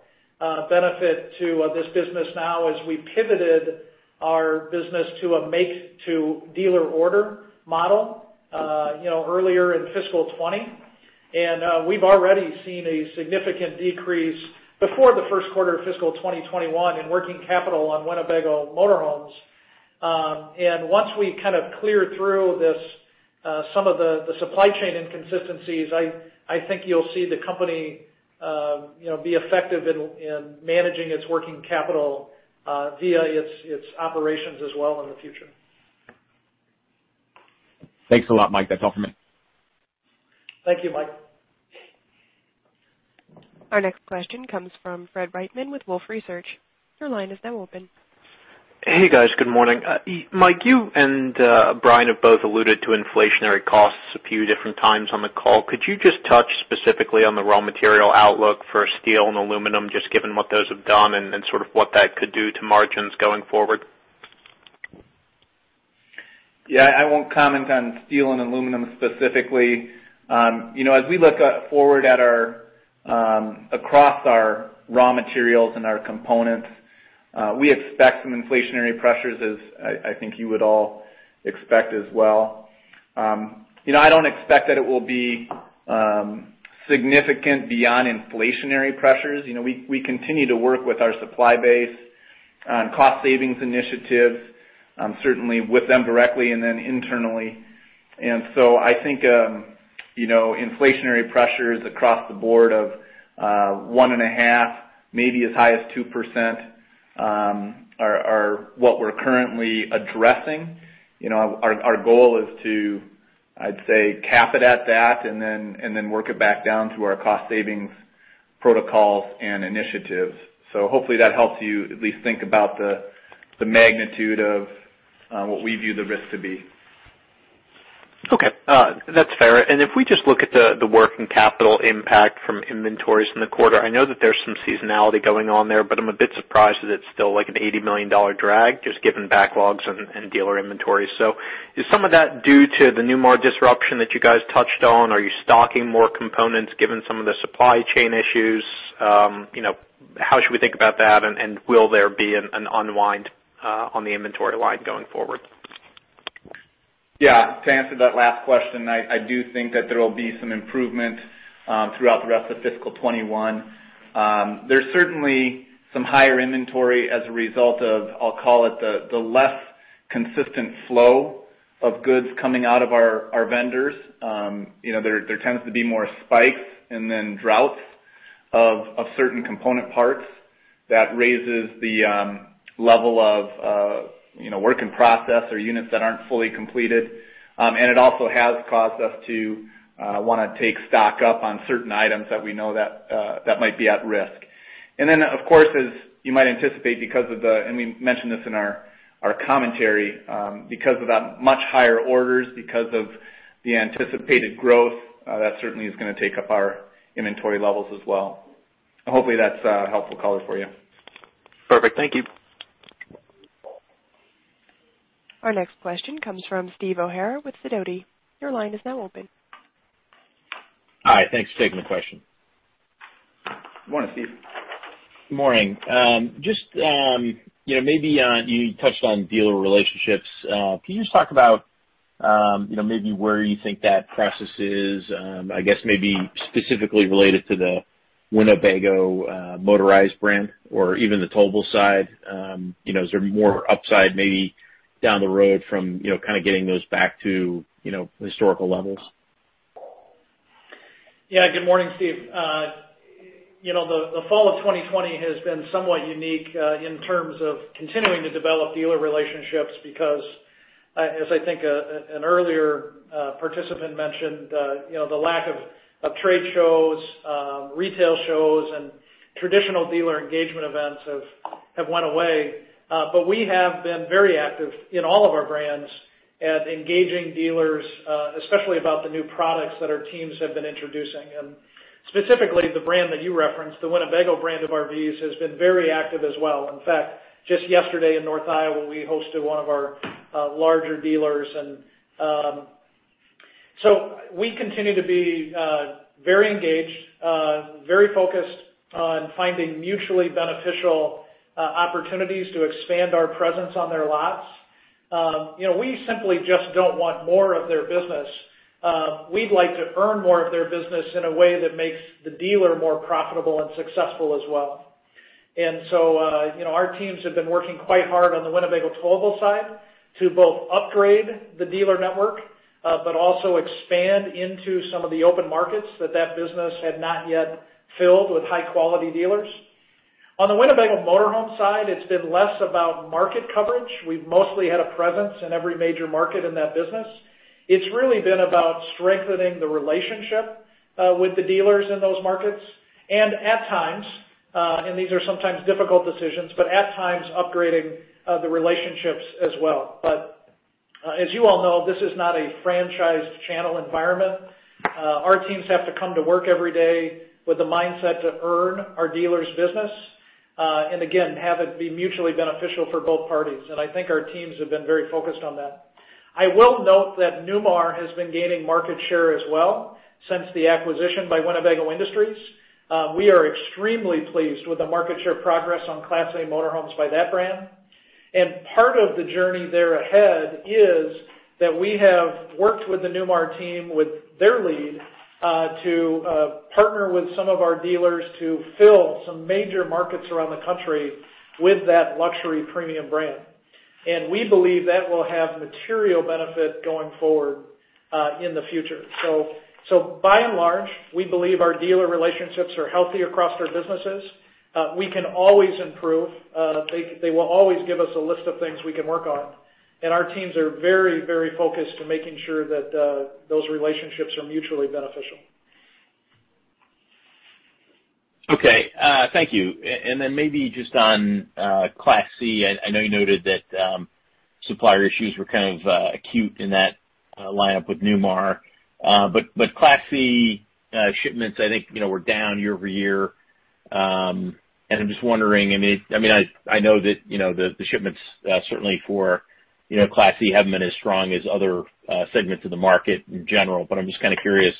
benefit to this business now as we pivoted our business to a make-to-dealer order model earlier in fiscal 2020. And we've already seen a significant decrease before the first quarter of fiscal 2021 in working capital on Winnebago motorhomes. And once we kind of clear through some of the supply chain inconsistencies, I think you'll see the company be effective in managing its working capital via its operations as well in the future. Thanks a lot, Mike. That's all from me. Thank you, Mike. Our next question comes from Fred Wightman with Wolfe Research. Your line is now open. Hey, guys. Good morning. Mike, you and Brian have both alluded to inflationary costs a few different times on the call. Could you just touch specifically on the raw material outlook for steel and aluminum, just given what those have done and sort of what that could do to margins going forward? Yeah. I won't comment on steel and aluminum specifically. As we look forward across our raw materials and our components, we expect some inflationary pressures, as I think you would all expect as well. I don't expect that it will be significant beyond inflationary pressures. We continue to work with our supply base on cost savings initiatives, certainly with them directly and then internally. And so I think inflationary pressures across the board of one and a half, maybe as high as 2%, are what we're currently addressing. Our goal is to, I'd say, cap it at that and then work it back down to our cost savings protocols and initiatives. So hopefully that helps you at least think about the magnitude of what we view the risk to be. Okay. That's fair. And if we just look at the working capital impact from inventories in the quarter, I know that there's some seasonality going on there, but I'm a bit surprised that it's still like an $80 million drag just given backlogs and dealer inventory. So is some of that due to the Newmar disruption that you guys touched on? Are you stocking more components given some of the supply chain issues? How should we think about that? And will there be an unwind on the inventory line going forward? Yeah. To answer that last question, I do think that there will be some improvement throughout the rest of fiscal 2021. There's certainly some higher inventory as a result of, I'll call it, the less consistent flow of goods coming out of our vendors. There tends to be more spikes and then droughts of certain component parts that raises the level of work in process or units that aren't fully completed. And it also has caused us to want to take stock up on certain items that we know that might be at risk. And then, of course, as you might anticipate, because of the, and we mentioned this in our commentary, because of the much higher orders, because of the anticipated growth, that certainly is going to take up our inventory levels as well. Hopefully that's a helpful color for you. Perfect. Thank you. Our next question comes from Steve O'Hara with Sidoti. Your line is now open. Hi. Thanks for taking the question. Good morning, Steve. Good morning. Just maybe you touched on dealer relationships. Can you just talk about maybe where you think that process is, I guess maybe specifically related to the Winnebago motorized brand or even the towable side? Is there more upside maybe down the road from kind of getting those back to historical levels? Yeah. Good morning, Stephen. The fall of 2020 has been somewhat unique in terms of continuing to develop dealer relationships because, as I think an earlier participant mentioned, the lack of trade shows, retail shows, and traditional dealer engagement events have went away, but we have been very active in all of our brands at engaging dealers, especially about the new products that our teams have been introducing. And specifically, the brand that you referenced, the Winnebago brand of our B's, has been very active as well. In fact, just yesterday in North Iowa, we hosted one of our larger dealers. And so we continue to be very engaged, very focused on finding mutually beneficial opportunities to expand our presence on their lots. We simply just do want more of their business. We'd like to earn more of their business in a way that makes the dealer more profitable and successful as well. And so our teams have been working quite hard on the Winnebago towable side to both upgrade the dealer network but also expand into some of the open markets that that business had not yet filled with high-quality dealers. On the Winnebago motorhome side, it's been less about market coverage. We've mostly had a presence in every major market in that business. It's really been about strengthening the relationship with the dealers in those markets and at times (and these are sometimes difficult decisions) but at times upgrading the relationships as well. But as you all know, this is not a franchised channel environment. Our teams have to come to work every day with the mindset to earn our dealers' business and, again, have it be mutually beneficial for both parties. And I think our teams have been very focused on that. I will note that Newmar has been gaining market share as well since the acquisition by Winnebago Industries. We are extremely pleased with the market share progress on Class A motorhomes by that brand. And part of the journey there ahead is that we have worked with the Newmar team with their lead to partner with some of our dealers to fill some major markets around the country with that luxury premium brand. And we believe that will have material benefit going forward in the future. So by and large, we believe our dealer relationships are healthy across our businesses. We can always improve. They will always give us a list of things we can work on. And our teams are very, very focused on making sure that those relationships are mutually beneficial. Okay. Thank you, and then maybe just on Class C. I know you noted that supplier issues were kind of acute in that lineup with Newmar, but Class C shipments, I think, were down year over year, and I'm just wondering. I mean, I know that the shipments certainly for Class C haven't been as strong as other segments of the market in general, but I'm just kind of curious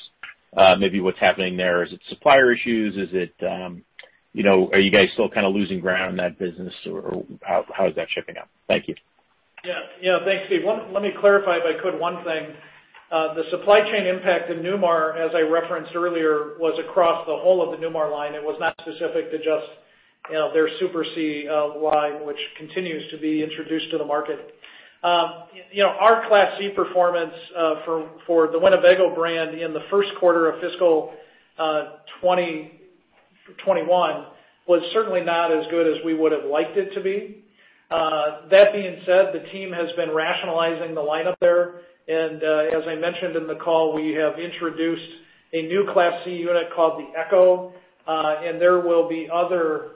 maybe what's happening there. Is it supplier issues? Are you guys still kind of losing ground in that business? Or how is that shaping up? Thank you. Yeah. Yeah. Thanks, Stephen. Let me clarify, if I could, one thing. The supply chain impact in Newmar, as I referenced earlier, was across the whole of the Newmar line. It was not specific to just their Super C line, which continues to be introduced to the market. Our Class C performance for the Winnebago brand in the first quarter of fiscal 2021 was certainly not as good as we would have liked it to be. That being said, the team has been rationalizing the lineup there. And as I mentioned in the call, we have introduced a new Class C unit called the EKKO. And there will be other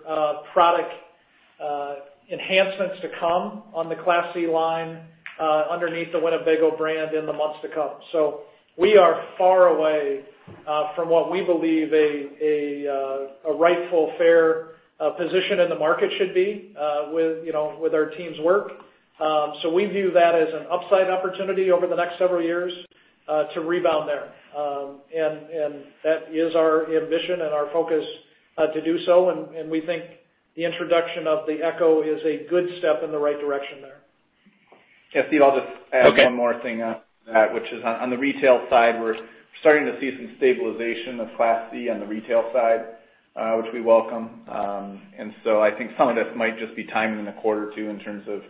product enhancements to come on the Class C line underneath the Winnebago brand in the months to come. We are far away from what we believe a rightful, fair position in the market should be with our team's work. We view that as an upside opportunity over the next several years to rebound there. And that is our ambition and our focus to do so. And we think the introduction of the EKKO is a good step in the right direction there. Yeah. Steve, I'll just add one more thing on that, which is on the retail side, we're starting to see some stabilization of Class C on the retail side, which we welcome. And so I think some of this might just be timing in the quarter too in terms of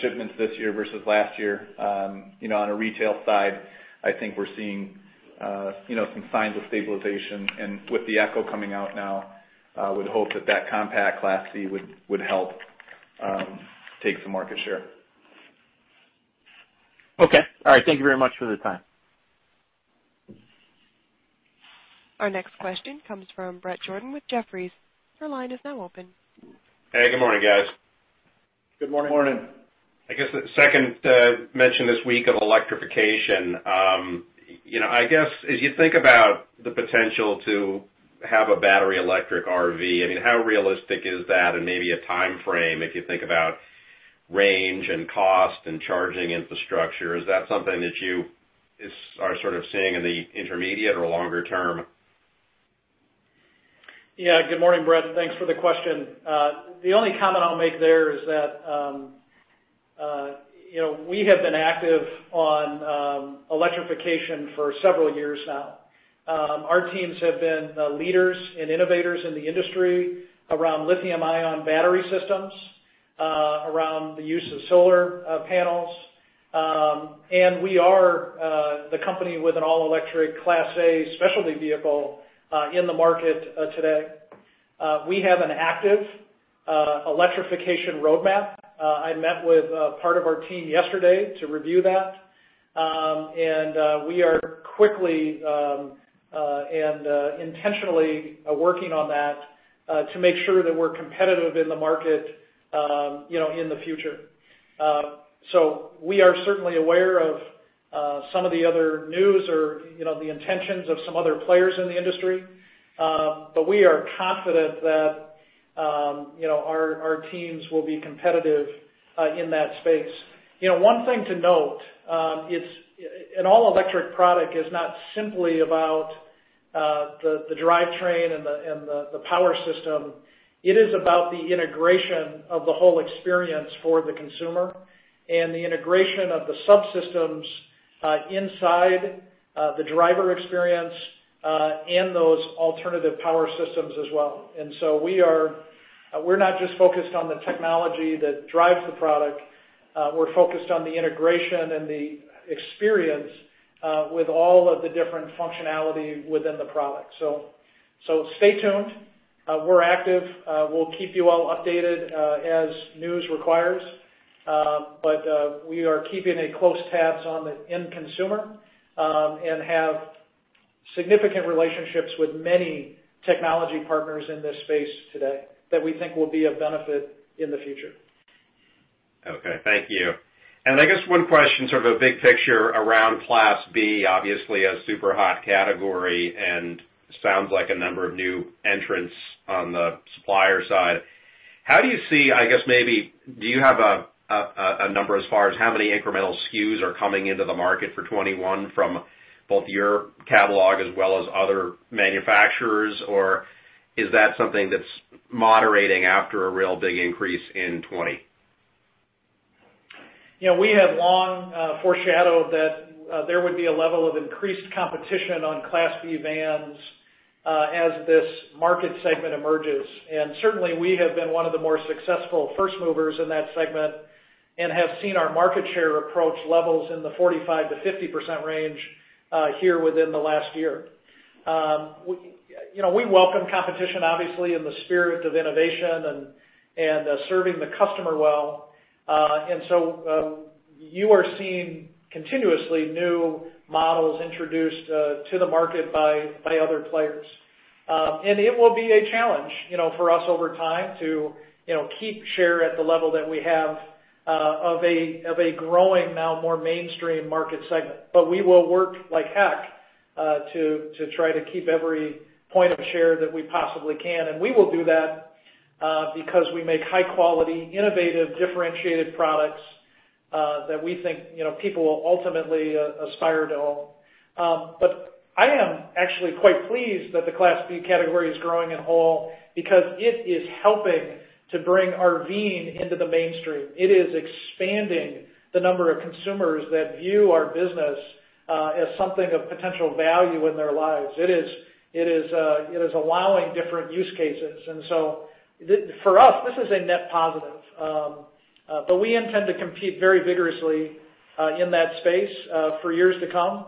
shipments this year versus last year. On a retail side, I think we're seeing some signs of stabilization. And with the EKKO coming out now, we'd hope that that compact Class C would help take some market share. Okay. All right. Thank you very much for the time. Our next question comes from Bret Jordan with Jefferies. Your line is now open. Hey. Good morning, guys. Good morning. Good morning. I guess the second mention this week of electrification. I guess as you think about the potential to have a battery electric RV, I mean, how realistic is that? And maybe a timeframe if you think about range and cost and charging infrastructure. Is that something that you are sort of seeing in the intermediate or longer term? Yeah. Good morning, Bret. Thanks for the question. The only comment I'll make there is that we have been active on electrification for several years now. Our teams have been leaders and innovators in the industry around lithium-ion battery systems, around the use of solar panels. And we are the company with an all-electric Class A specialty vehicle in the market today. We have an active electrification roadmap. I met with part of our team yesterday to review that. And we are quickly and intentionally working on that to make sure that we're competitive in the market in the future. So we are certainly aware of some of the other news or the intentions of some other players in the industry. But we are confident that our teams will be competitive in that space. One thing to note, an all-electric product is not simply about the drivetrain and the power system. It is about the integration of the whole experience for the consumer and the integration of the subsystems inside the driver experience and those alternative power systems as well. And so we're not just focused on the technology that drives the product. We're focused on the integration and the experience with all of the different functionality within the product. So stay tuned. We're active. We'll keep you all updated as news requires. But we are keeping a close tabs on the end consumer and have significant relationships with many technology partners in this space today that we think will be of benefit in the future. Okay. Thank you. And I guess one question, sort of a big picture around Class B, obviously a super hot category and sounds like a number of new entrants on the supplier side. How do you see, I guess, maybe do you have a number as far as how many incremental SKUs are coming into the market for 2021 from both your catalog as well as other manufacturers? Or is that something that's moderating after a real big increase in 2020? Yeah. We have long foreshadowed that there would be a level of increased competition on Class B vans as this market segment emerges. And certainly, we have been one of the more successful first movers in that segment and have seen our market share approach levels in the 45%-50% range here within the last year. We welcome competition, obviously, in the spirit of innovation and serving the customer well. And so you are seeing continuously new models introduced to the market by other players. And it will be a challenge for us over time to keep share at the level that we have of a growing, now more mainstream market segment. But we will work like heck to try to keep every point of share that we possibly can. We will do that because we make high-quality, innovative, differentiated products that we think people will ultimately aspire to own. But I am actually quite pleased that the Class B category is growing in whole because it is helping to bring our van into the mainstream. It is expanding the number of consumers that view our business as something of potential value in their lives. It is allowing different use cases. And so for us, this is a net positive. But we intend to compete very vigorously in that space for years to come.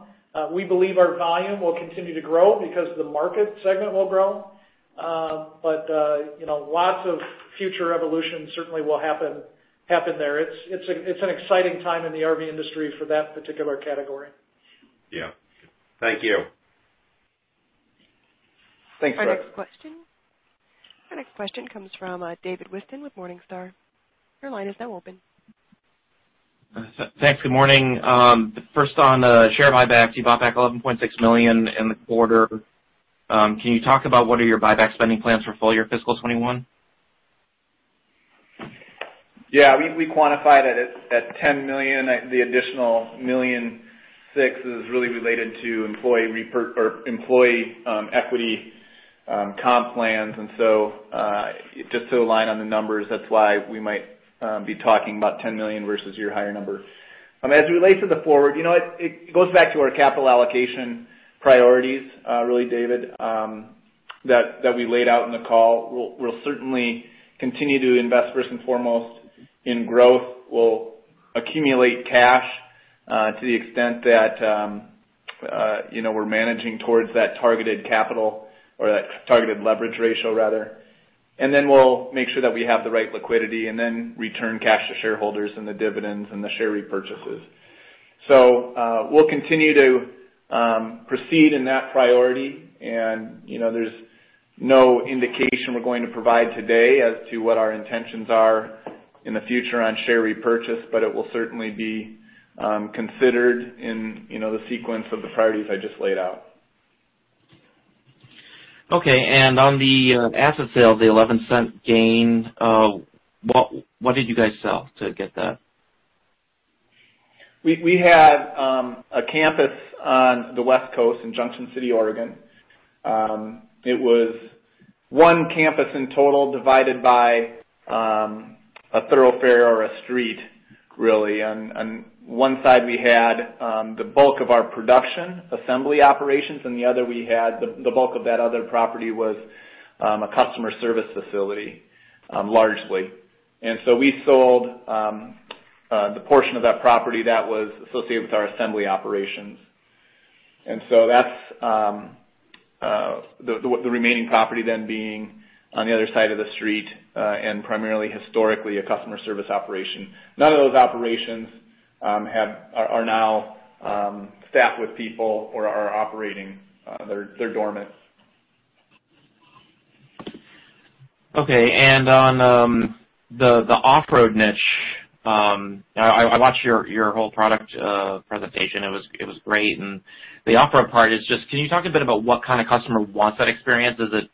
We believe our volume will continue to grow because the market segment will grow. But lots of future evolutions certainly will happen there. It's an exciting time in the RV industry for that particular category. Yeah. Thank you. Thanks, Bret. Our next question comes from David Wisdom with Morningstar. Your line is now open. Thanks. Good morning. First on share buyback, you bought back 11.6 million in the quarter. Can you talk about what are your buyback spending plans for full year fiscal 2021? Yeah. We quantify that at $10 million. The additional $1.6 million is really related to employee equity comp plans, and so just to align on the numbers, that's why we might be talking about $10 million versus your higher number. As it relates to the forward, it goes back to our capital allocation priorities, really, David, that we laid out in the call. We'll certainly continue to invest first and foremost in growth. We'll accumulate cash to the extent that we're managing towards that targeted capital or that targeted leverage ratio, rather, and then we'll make sure that we have the right liquidity and then return cash to shareholders and the dividends and the share repurchases, so we'll continue to proceed in that priority. There's no indication we're going to provide today as to what our intentions are in the future on share repurchase, but it will certainly be considered in the sequence of the priorities I just laid out. Okay, and on the asset sale, the $0.11 gain, what did you guys sell to get that? We had a campus on the West Coast in Junction City, Oregon. It was one campus in total divided by a thoroughfare or a street, really. On one side, we had the bulk of our production assembly operations, and the other we had, the bulk of that other property was a customer service facility largely, and so we sold the portion of that property that was associated with our assembly operations, and so that's the remaining property then being on the other side of the street and primarily historically a customer service operation. None of those operations are now staffed with people or are operating. They're dormant. Okay. And on the off-road niche, I watched your whole product presentation. It was great. And the off-road part is just, can you talk a bit about what kind of customer wants that experience? Is it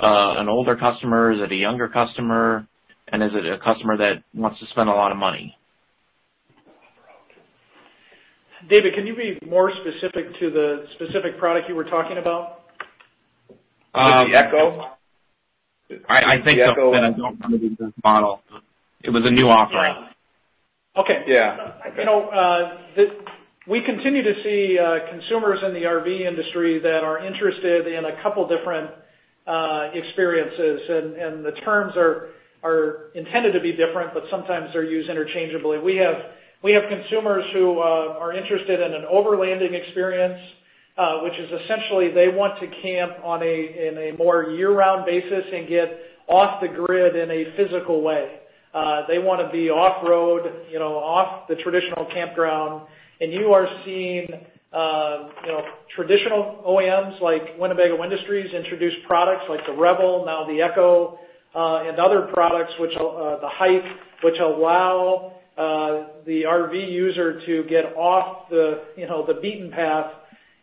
an older customer? Is it a younger customer? And is it a customer that wants to spend a lot of money? David, can you be more specific to the specific product you were talking about? The Echo? I think that's the model. It was a new offering. Okay. Yeah. We continue to see consumers in the RV industry that are interested in a couple of different experiences, and the terms are intended to be different, but sometimes they're used interchangeably. We have consumers who are interested in an overlanding experience, which is essentially they want to camp in a more year-round basis and get off the grid in a physical way. They want to be off-road, off the traditional campground. You are seeing traditional OEMs like Winnebago Industries introduce products like the Revel, now the EKKO, and other products, the Hike, which allow the RV user to get off the beaten path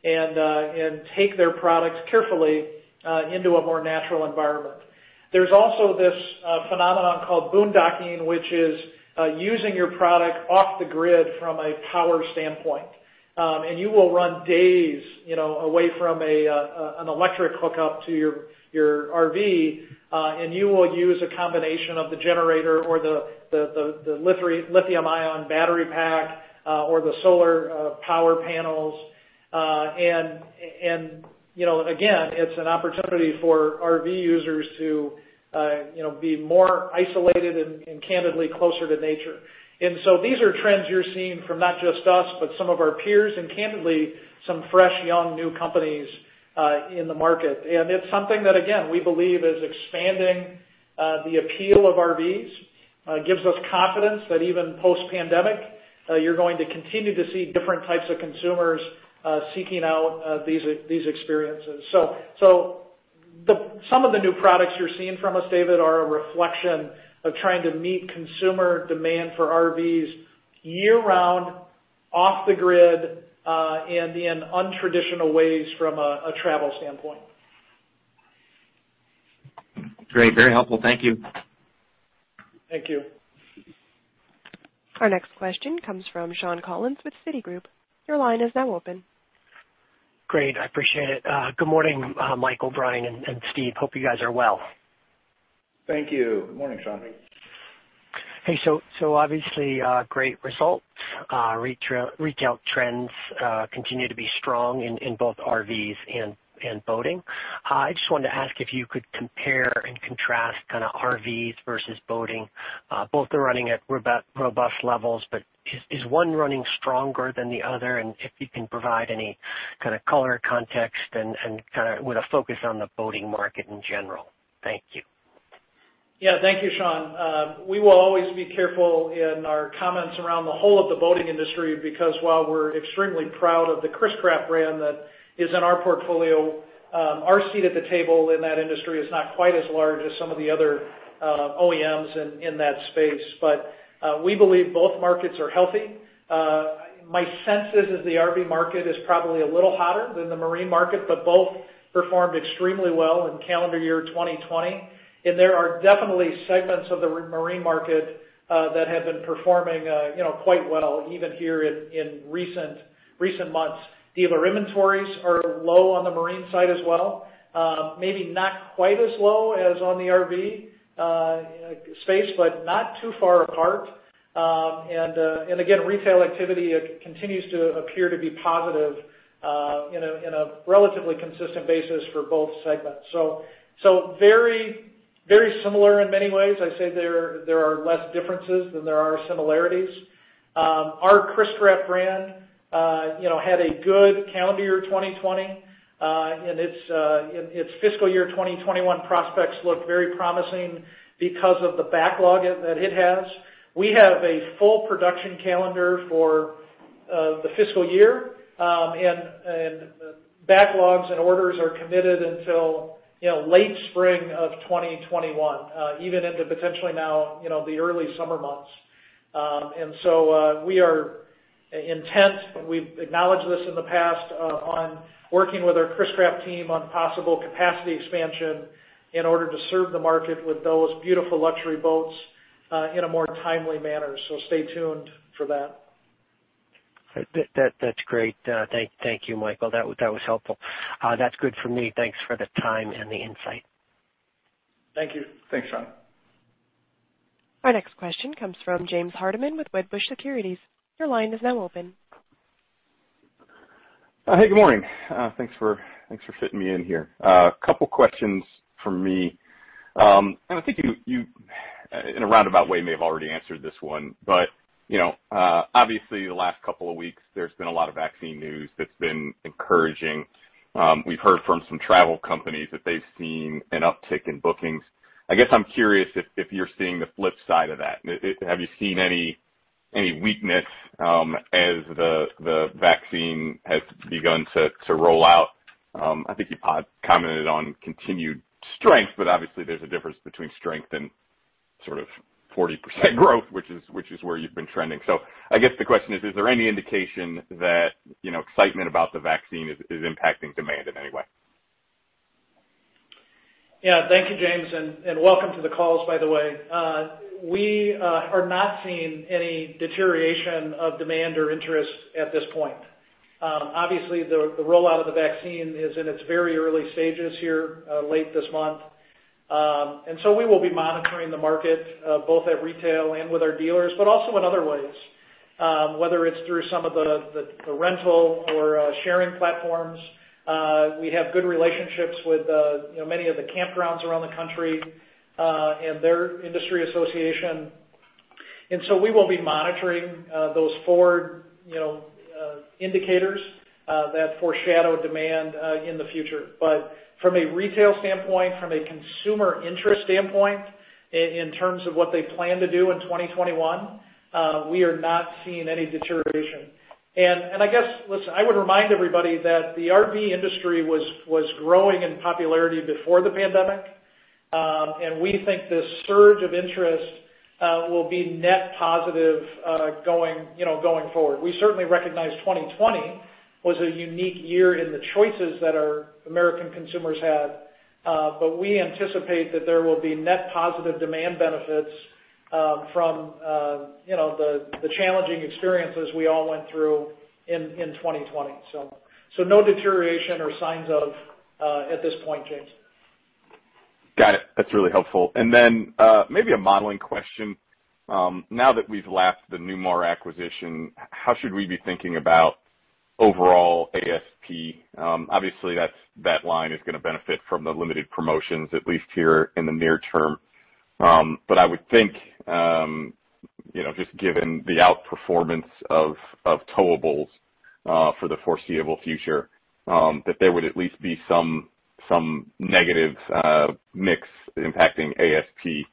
and take their products carefully into a more natural environment. There's also this phenomenon called boondocking, which is using your product off the grid from a power standpoint. You will run days away from an electric hookup to your RV. And you will use a combination of the generator or the lithium-ion battery pack or the solar power panels. And again, it's an opportunity for RV users to be more isolated and candidly closer to nature. And so these are trends you're seeing from not just us, but some of our peers and candidly some fresh, young, new companies in the market. And it's something that, again, we believe is expanding the appeal of RVs. It gives us confidence that even post-pandemic, you're going to continue to see different types of consumers seeking out these experiences. So some of the new products you're seeing from us, David, are a reflection of trying to meet consumer demand for RVs year-round, off the grid, and in untraditional ways from a travel standpoint. Great. Very helpful. Thank you. Thank you. Our next question comes from Sean Collins with Citigroup. Your line is now open. Great. I appreciate it. Good morning, Michael, Bryan, and Steve. Hope you guys are well. Thank you. Good morning, Sean. Hey, so obviously, great results. Retail trends continue to be strong in both RVs and boating. I just wanted to ask if you could compare and contrast kind of RVs versus boating. Both are running at robust levels, but is one running stronger than the other? And if you can provide any kind of color context and kind of with a focus on the boating market in general? Thank you. Yeah. Thank you, Sean. We will always be careful in our comments around the whole of the boating industry because while we're extremely proud of the Chris-Craft brand that is in our portfolio, our seat at the table in that industry is not quite as large as some of the other OEMs in that space. But we believe both markets are healthy. My sense is the RV market is probably a little hotter than the marine market, but both performed extremely well in calendar year 2020. And there are definitely segments of the marine market that have been performing quite well even here in recent months. Dealer inventories are low on the marine side as well. Maybe not quite as low as on the RV space, but not too far apart. And again, retail activity continues to appear to be positive in a relatively consistent basis for both segments. So very similar in many ways. I say there are less differences than there are similarities. Our Chris-Craft brand had a good calendar year 2020. And its fiscal year 2021 prospects look very promising because of the backlog that it has. We have a full production calendar for the fiscal year. And backlogs and orders are committed until late spring of 2021, even into potentially now the early summer months. And so we are intent, and we've acknowledged this in the past, on working with our Chris-Craft team on possible capacity expansion in order to serve the market with those beautiful luxury boats in a more timely manner. So stay tuned for that. That's great. Thank you, Michael. That was helpful. That's good for me. Thanks for the time and the insight. Thank you. Thanks, Sean. Our next question comes from James Hardiman with Wedbush Securities. Your line is now open. Hey, good morning. Thanks for fitting me in here. A couple of questions for me. And I think you, in a roundabout way, may have already answered this one. But obviously, the last couple of weeks, there's been a lot of vaccine news that's been encouraging. We've heard from some travel companies that they've seen an uptick in bookings. I guess I'm curious if you're seeing the flip side of that. Have you seen any weakness as the vaccine has begun to roll out? I think you commented on continued strength, but obviously, there's a difference between strength and sort of 40% growth, which is where you've been trending. So I guess the question is, is there any indication that excitement about the vaccine is impacting demand in any way? Yeah. Thank you, James, and welcome to the calls, by the way. We are not seeing any deterioration of demand or interest at this point. Obviously, the rollout of the vaccine is in its very early stages here late this month, and so we will be monitoring the market both at retail and with our dealers, but also in other ways, whether it's through some of the rental or sharing platforms. We have good relationships with many of the campgrounds around the country and their industry association, and so we will be monitoring those forward indicators that foreshadow demand in the future, but from a retail standpoint, from a consumer interest standpoint, in terms of what they plan to do in 2021, we are not seeing any deterioration, and I guess, listen, I would remind everybody that the RV industry was growing in popularity before the pandemic. And we think this surge of interest will be net positive going forward. We certainly recognize 2020 was a unique year in the choices that our American consumers had. But we anticipate that there will be net positive demand benefits from the challenging experiences we all went through in 2020. So no deterioration or signs of at this point, James. Got it. That's really helpful. And then maybe a modeling question. Now that we've left the Newmar acquisition, how should we be thinking about overall ASP? Obviously, that line is going to benefit from the limited promotions, at least here in the near term. But I would think, just given the outperformance of towables for the foreseeable future, that there would at least be some negative mix impacting ASP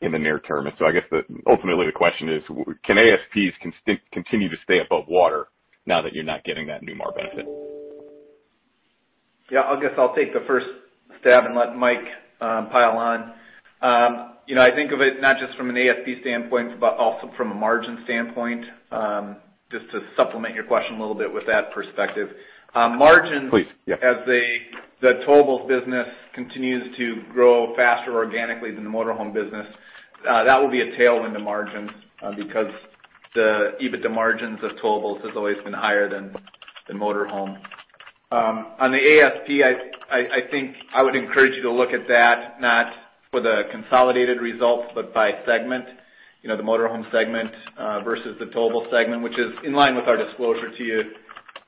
in the near term. And so I guess ultimately, the question is, can ASPs continue to stay above water now that you're not getting that Newmar benefit? Yeah. I guess I'll take the first stab and let Mike pile on. I think of it not just from an ASP standpoint, but also from a margin standpoint, just to supplement your question a little bit with that perspective. Margins. Please. Yeah. As the towable business continues to grow faster organically than the motorhome business, that will be a tailwind to margins because the EBITDA margins of towables has always been higher than motorhome. On the ASP, I think I would encourage you to look at that not for the consolidated results, but by segment, the motorhome segment versus the towable segment, which is in line with our disclosure to you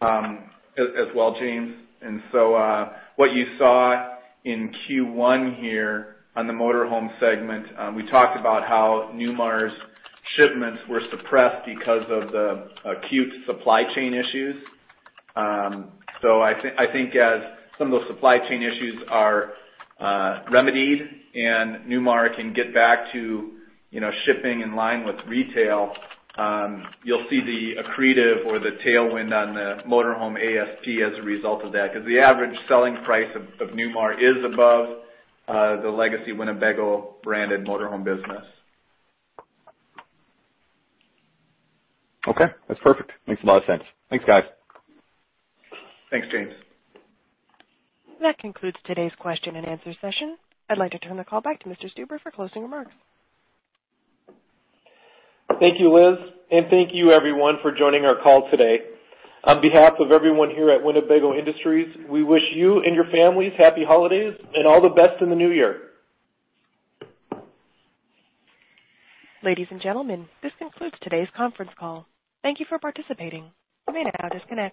as well, James, and so what you saw in Q1 here on the motorhome segment, we talked about how Newmar's shipments were suppressed because of the acute supply chain issues. I think as some of those supply chain issues are remedied and Newmar can get back to shipping in line with retail, you'll see the accretive or the tailwind on the motorhome ASP as a result of that because the average selling price of Newmar is above the legacy Winnebago branded motorhome business. Okay. That's perfect. Makes a lot of sense. Thanks, guys. Thanks, James. That concludes today's question and answer session. I'd like to turn the call back to Mr. Stuber for closing remarks. Thank you, Liz. And thank you, everyone, for joining our call today. On behalf of everyone here at Winnebago Industries, we wish you and your families happy holidays and all the best in the new year. Ladies and gentlemen, this concludes today's conference call. Thank you for participating. You may now disconnect.